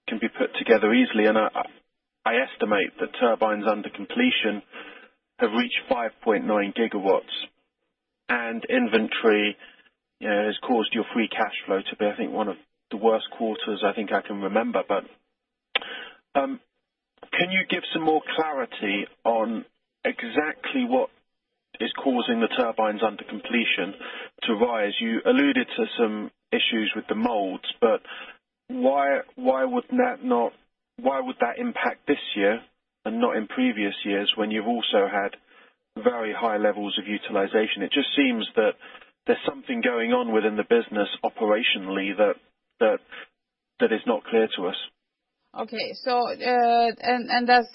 can be put together easily, and I estimate the turbines under completion have reached 5.9 gigawatts. Inventory has caused your free cash flow to be, I think, one of the worst quarters I think I can remember. Can you give some more clarity on exactly what is causing the turbines under completion to rise? You alluded to some issues with the molds, but why would that impact this year and not in previous years when you've also had very high levels of utilization? It just seems that there's something going on within the business operationally that is not clear to us. Okay. That's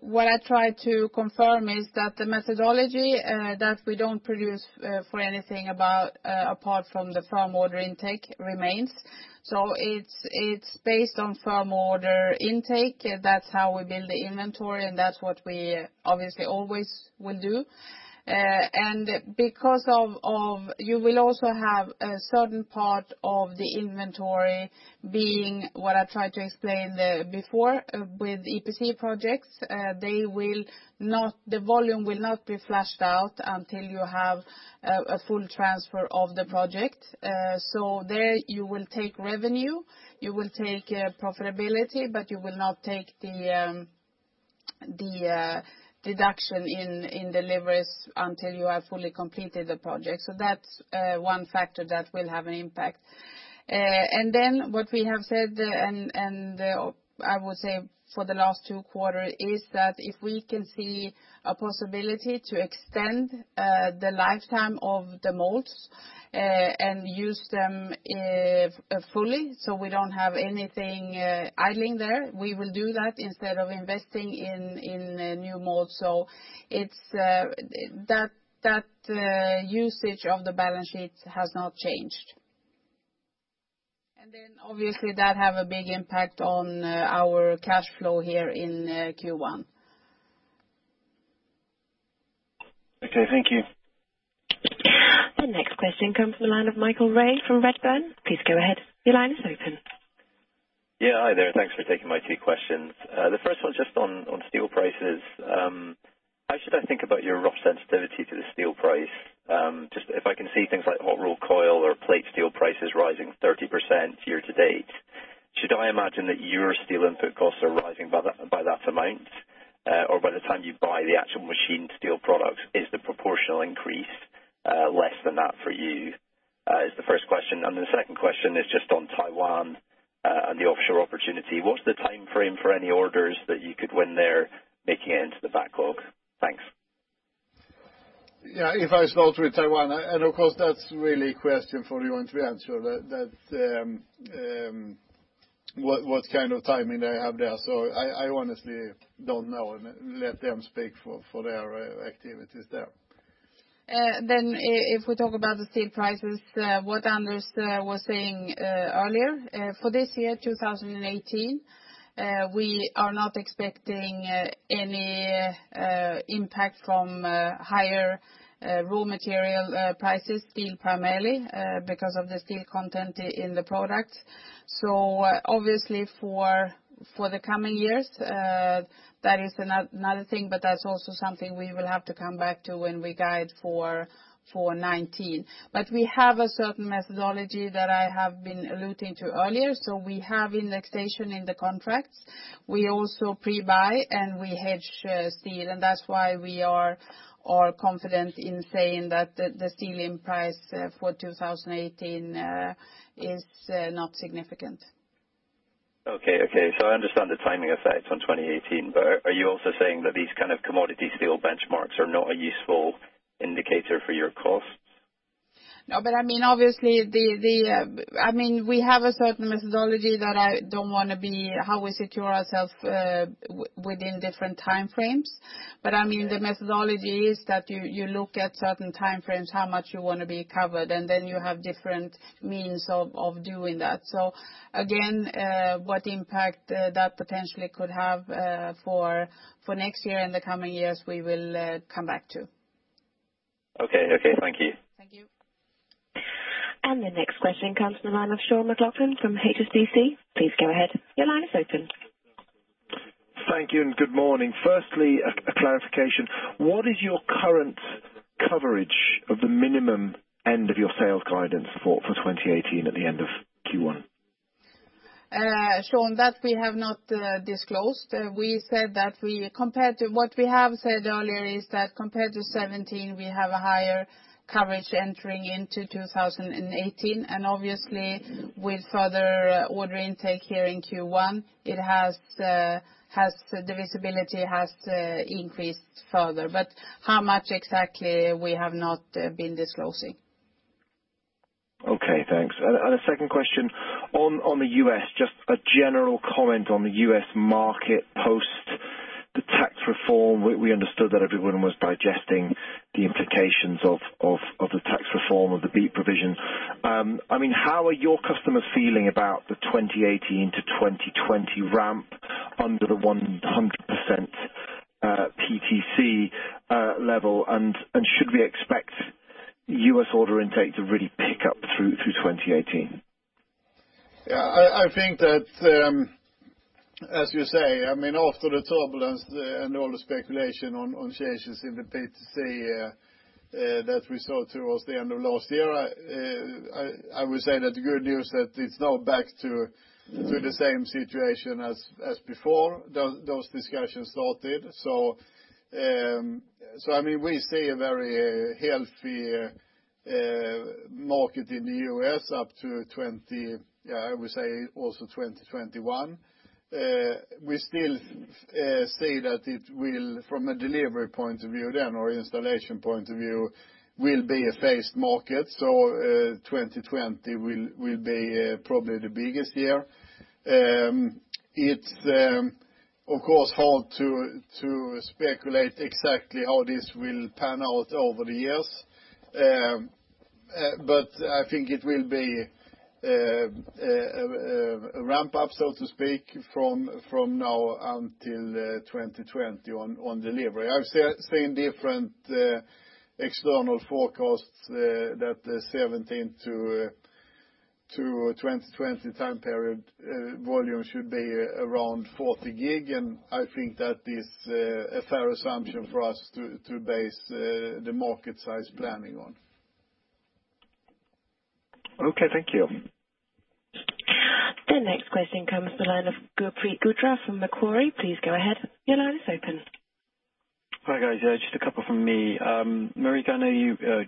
what I tried to confirm is that the methodology, that we don't produce for anything apart from the firm order intake remains. It's based on firm order intake. That's how we build the inventory, and that's what we obviously always will do. Because you will also have a certain part of the inventory being what I tried to explain before with EPC projects. The volume will not be flushed out until you have a full transfer of the project. There you will take revenue, you will take profitability, but you will not take the deduction in deliveries until you have fully completed the project. That's one factor that will have an impact. What we have said, and I would say for the last two quarters, is that if we can see a possibility to extend the lifetime of the molds, and use them fully so we don't have anything idling there, we will do that instead of investing in new molds. That usage of the balance sheet has not changed. Obviously that have a big impact on our cash flow here in Q1. Okay. Thank you. The next question comes from the line of Michael Ray from Redburn. Please go ahead. Your line is open. Hi there. Thanks for taking my two questions. The first one's just on steel prices. How should I think about your rough sensitivity to the steel price? Just if I can see things like hot rolled coil or plate steel prices rising 30% year-to-date, should I imagine that your steel input costs are rising by that amount? Or by the time you buy the actual machine steel product, is the proportional increase less than that for you? Is the first question. The second question is just on Taiwan, and the offshore opportunity. What's the timeframe for any orders that you could win there, making it into the backlog? Thanks. If I start with Taiwan, of course that's really a question for you want me to answer, what kind of timing they have there. I honestly don't know. Let them speak for their activities there. If we talk about the steel prices, what Anders was saying earlier, for this year, 2018, we are not expecting any impact from higher raw material prices, steel primarily, because of the steel content in the product. Obviously for the coming years, that's also something we will have to come back to when we guide for 2019. We have a certain methodology that I have been alluding to earlier. We have indexation in the contracts. We also pre-buy and we hedge steel, and that's why we are confident in saying that the steel input price for 2018 is not significant. Okay. I understand the timing effects on 2018, are you also saying that these kind of commodity steel benchmarks are not a useful indicator for your costs? No, obviously, we have a certain methodology that I don't want to be, how we secure ourselves within different time frames. The methodology is that you look at certain time frames, how much you want to be covered, and then you have different means of doing that. Again, what impact that potentially could have for next year and the coming years, we will come back to. Okay. Thank you. Thank you. The next question comes from the line of Sean McLoughlin from HSBC. Please go ahead. Your line is open. Thank you and good morning. Firstly, a clarification. What is your current coverage of the minimum end of your sales guidance for 2018 at the end of Q1? Sean, that we have not disclosed. What we have said earlier is that compared to 2017, we have a higher coverage entering into 2018. Obviously with further order intake here in Q1, the visibility has increased further. How much exactly, we have not been disclosing. Okay, thanks. A second question on the U.S., just a general comment on the U.S. market post the tax reform. We understood that everyone was digesting the implications of the tax reform or the BEAT provision. How are your customers feeling about the 2018 to 2020 ramp under the 100% PTC level? Should we expect U.S. order intake to really pick up through 2018? Yeah, I think that, as you say, after the turbulence and all the speculation on changes in the PTC that we saw towards the end of last year, I would say that the good news that it's now back to the same situation as before those discussions started. We see a very healthy market in the U.S. up to, I would say, also 2021. We still say that it will, from a delivery point of view then, or installation point of view, will be a phased market. 2020 will be probably the biggest year. It's of course hard to speculate exactly how this will pan out over the years. I think it will be a ramp up, so to speak, from now until 2020 on delivery. I've seen different external forecasts that 2017 to 2020 time period volume should be around 40 gig. I think that is a fair assumption for us to base the market size planning on. Okay, thank you. The next question comes from the line of Gurpreet Gujral from Macquarie. Please go ahead. Your line is open. Hi, guys. Just a couple from me. Marika,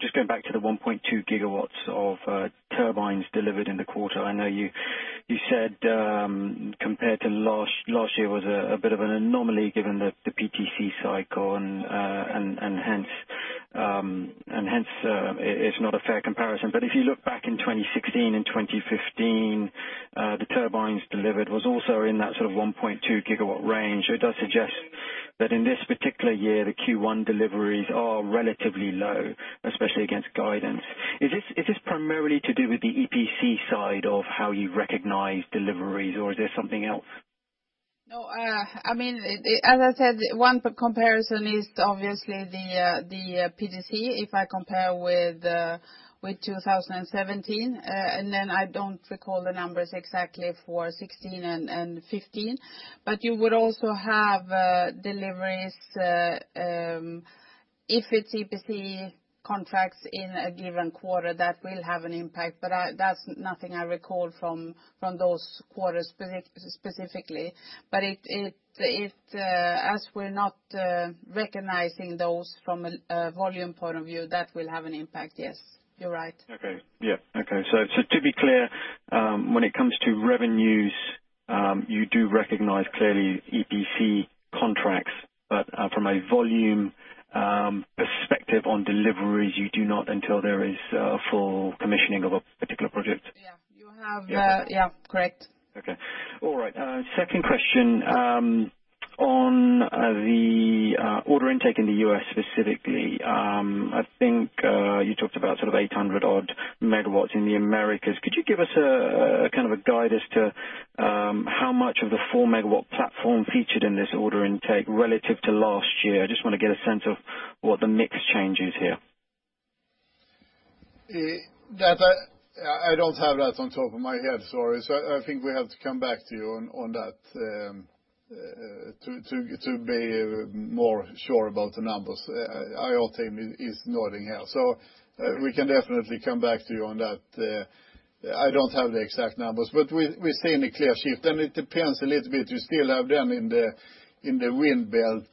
just going back to the 1.2 gigawatts of turbines delivered in the quarter. I know you said, compared to last year was a bit of an anomaly given the PTC cycle. Hence, it's not a fair comparison. If you look back in 2016 and 2015, the turbines delivered was also in that sort of 1.2 gigawatt range. It does suggest that in this particular year, the Q1 deliveries are relatively low, especially against guidance. Is this primarily to do with the EPC side of how you recognize deliveries, or is there something else? No. As I said, one comparison is obviously the PTC, if I compare with 2017, I don't recall the numbers exactly for 2016 and 2015. You would also have deliveries, if it's EPC contracts in a given quarter, that will have an impact, but that's nothing I recall from those quarters specifically. As we're not recognizing those from a volume point of view, that will have an impact, yes. You're right. Okay. Yeah. To be clear, when it comes to revenues. You do recognize clearly EPC contracts, from a volume perspective on deliveries, you do not until there is a full commissioning of a particular project? Yeah. Correct. Okay. All right. Second question. On the order intake in the U.S. specifically, I think you talked about 800 odd megawatts in the Americas. Could you give us a guide as to how much of the 4-megawatt platform featured in this order intake relative to last year? I just want to get a sense of what the mix change is here. I don't have that on top of my head, sorry. I think we have to come back to you on that to be more sure about the numbers. Our team is nodding here. We can definitely come back to you on that. I don't have the exact numbers, but we're seeing a clear shift, and it depends a little bit, you still have them in the wind belt.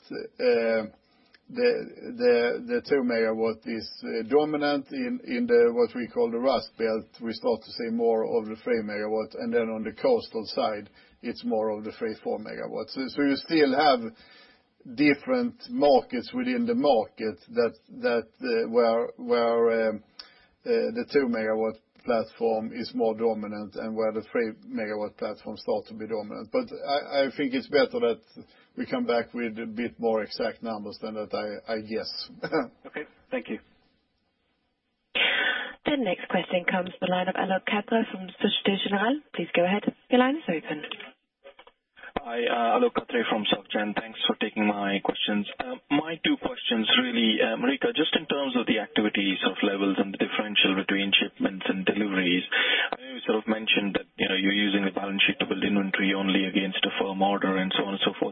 The 2 MW is dominant in what we call the Rust Belt. We start to see more of the 3 MW, and then on the coastal side, it's more of the 3, 4 MW. You still have different markets within the market where the 2 MW platform is more dominant and where the 3 MW platform starts to be dominant. I think it's better that we come back with a bit more exact numbers than that I guess. Okay. Thank you. The next question comes from the line of Alok Katre from Société Générale. Please go ahead. Your line is open. Hi. Alok Katre from Soc Gen. Thanks for taking my questions. My two questions really, Marika, just in terms of the activities of levels and the differential between shipments and deliveries, I know you sort of mentioned that you're using the balance sheet to build inventory only against a firm order and so on and so forth.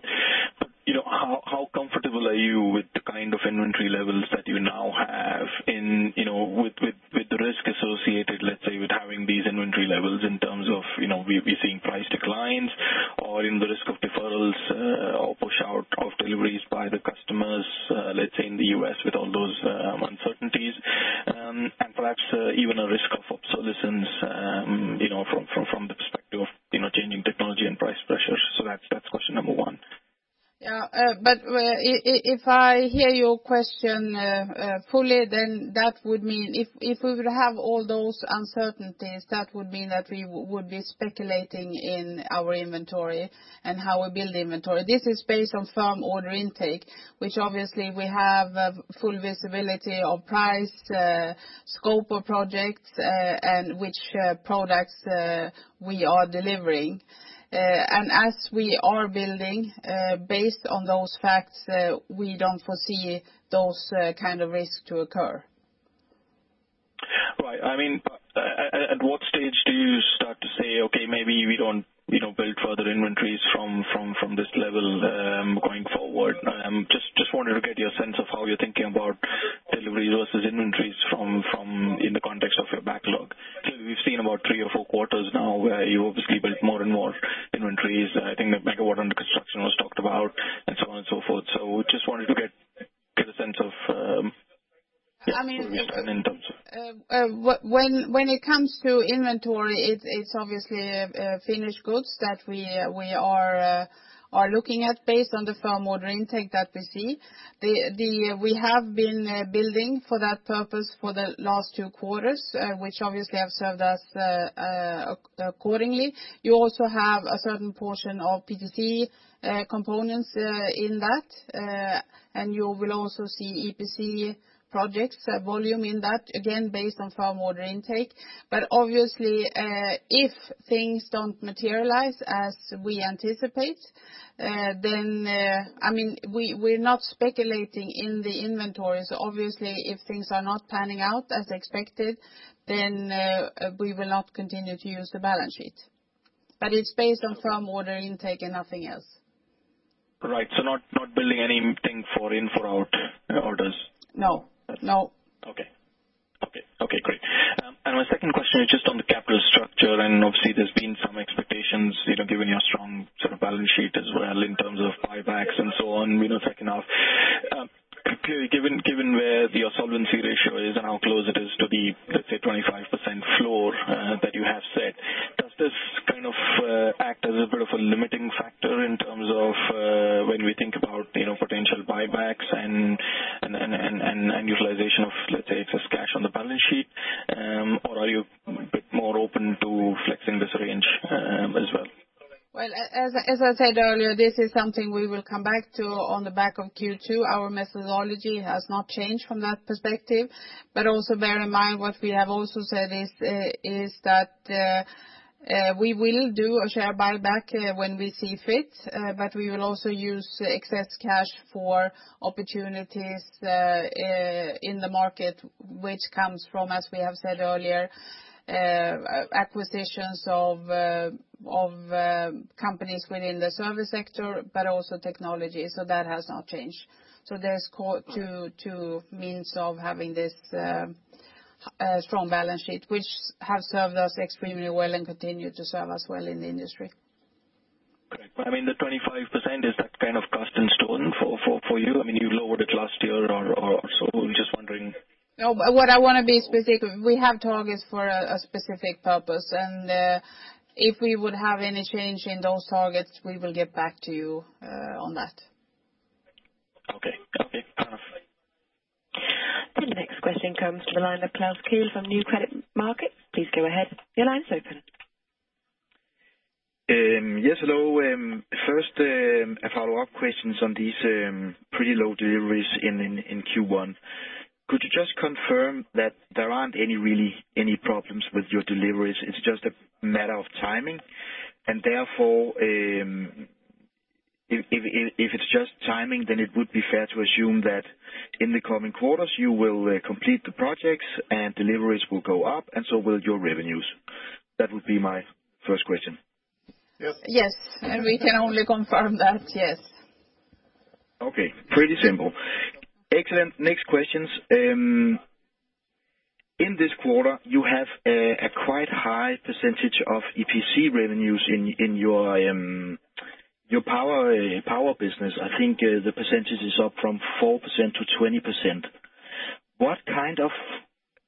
As we are building based on those facts, we don't foresee those kind of risks to occur. Right. At what stage do you start to say, okay, maybe we don't build further inventories from this level going forward? Just wanted to get your sense of how you're thinking about deliveries versus inventories in the context of your backlog. Clearly, we've seen about three or four quarters now where you obviously built more and more inventories. I think the megawatt under construction was talked about, and so on and so forth. Just wanted to get a sense of where you stand in terms of. When it comes to inventory, it's obviously finished goods that we are looking at based on the firm order intake that we see. We have been building for that purpose for the last two quarters, which obviously have served us accordingly. You also have a certain portion of PTC components in that, and you will also see EPC projects volume in that, again, based on firm order intake. Obviously, if things don't materialize as we anticipate, we're not speculating in the inventories. Obviously, if things are not panning out as expected, we will not continue to use the balance sheet. It's based on firm order intake and nothing else. Right. Not building anything for in-for-out orders? No. My second question is just on the capital structure. Obviously, there's been some expectations, given your strong sort of balance sheet as well in terms of buybacks and so on, second half. Clearly, given where your solvency ratio is and how close it is to the, let's say, 25% floor that you have set, does this kind of act as a bit of a limiting factor in terms of when we think about potential buybacks and utilization of, let's say, excess cash on the balance sheet? Are you a bit more open to flexing this range as well? Well, as I said earlier, this is something we will come back to on the back of Q2. Our methodology has not changed from that perspective. Also bear in mind, what we have also said is that we will do a share buyback when we see fit, but we will also use excess cash for opportunities in the market, which comes from, as we have said earlier, acquisitions of companies within the service sector, but also technology, so that has not changed. There's two means of having this strong balance sheet, which have served us extremely well and continue to serve us well in the industry. The 25% is that kind of cast in stone for you? You lowered it last year or so. Just wondering. No, what I want to be specific, we have targets for a specific purpose. If we would have any change in those targets, we will get back to you on that. Okay. The next question comes to the line of Klaus Kehl from Nykredit Markets. Please go ahead. Your line's open. Yes, hello. First, a follow-up question on these pretty low deliveries in Q1. Could you just confirm that there aren't any problems with your deliveries, it's just a matter of timing? Therefore, if it's just timing, then it would be fair to assume that in the coming quarters, you will complete the projects and deliveries will go up, and so will your revenues. That would be my first question. Yes. We can only confirm that, yes. Okay. Pretty simple. Excellent. Next questions. In this quarter, you have a quite high percentage of EPC revenues in your power business. I think the percentage is up from 4% to 20%. What kind of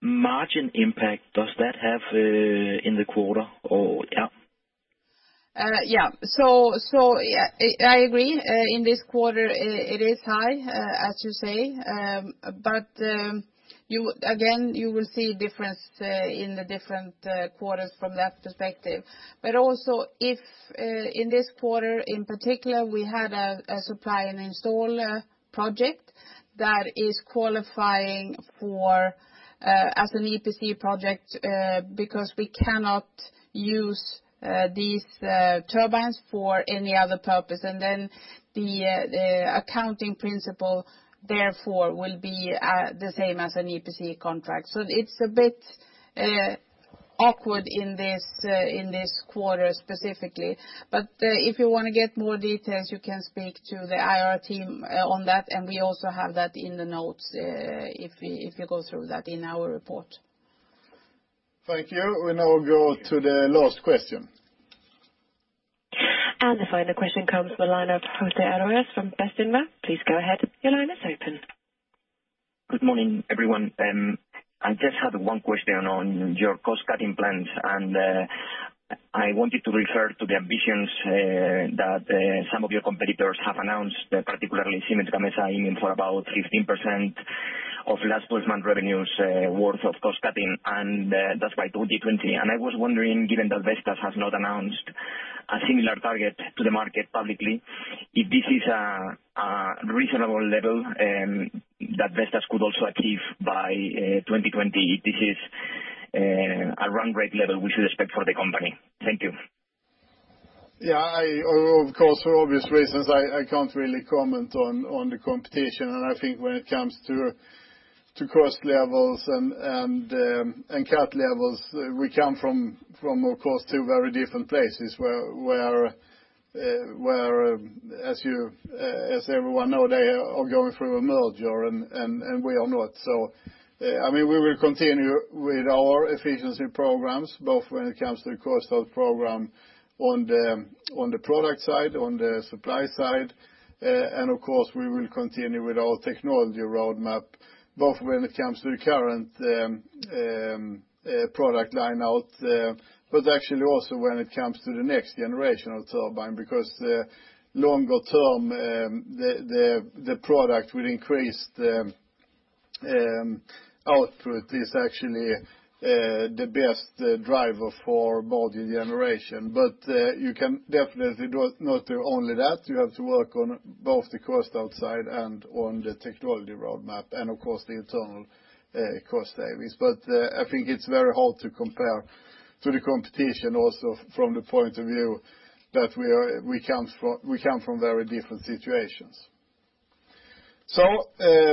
margin impact does that have in the quarter, or yeah? Yeah. I agree, in this quarter it is high, as you say, again, you will see a difference in the different quarters from that perspective. Also, in this quarter, in particular, we had a supply and install project that is qualifying as an EPC project, because we cannot use these turbines for any other purpose. Then the accounting principle therefore will be the same as an EPC contract. It's a bit awkward in this quarter specifically. If you want to get more details, you can speak to the IR team on that, and we also have that in the notes, if you go through that in our report. Thank you. We now go to the last question. The final question comes from the line of José Arroyas from Bestinver. Please go ahead. Your line is open. Good morning, everyone. I just had one question on your cost-cutting plans, I want you to refer to the ambitions that some of your competitors have announced, particularly Siemens Gamesa, aiming for about 15% of last placement revenues worth of cost-cutting, and that's by 2020. I was wondering, given that Vestas has not announced a similar target to the market publicly, if this is a reasonable level that Vestas could also achieve by 2020, if this is a run rate level we should expect for the company. Thank you. Yeah, of course, for obvious reasons, I can't really comment on the competition, and I think when it comes to cost levels and cut levels, we come from, of course, two very different places. Where, as everyone know, they are going through a merger, and we are not. We will continue with our efficiency programs, both when it comes to the cost out program on the product side, on the supply side, and of course, we will continue with our technology roadmap, both when it comes to the current product line out, but actually also when it comes to the next generation of turbine, because the longer term, the product will increase the output is actually the best driver for both in generation. You can definitely not do only that. You have to work on both the cost outside and on the technology roadmap, and of course, the internal cost savings. I think it's very hard to compare to the competition also from the point of view that we come from very different situations.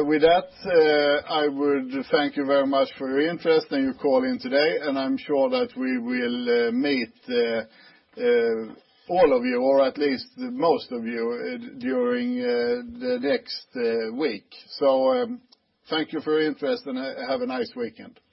With that, I would thank you very much for your interest and your call in today, and I'm sure that we will meet all of you, or at least most of you, during the next week. Thank you for your interest and have a nice weekend.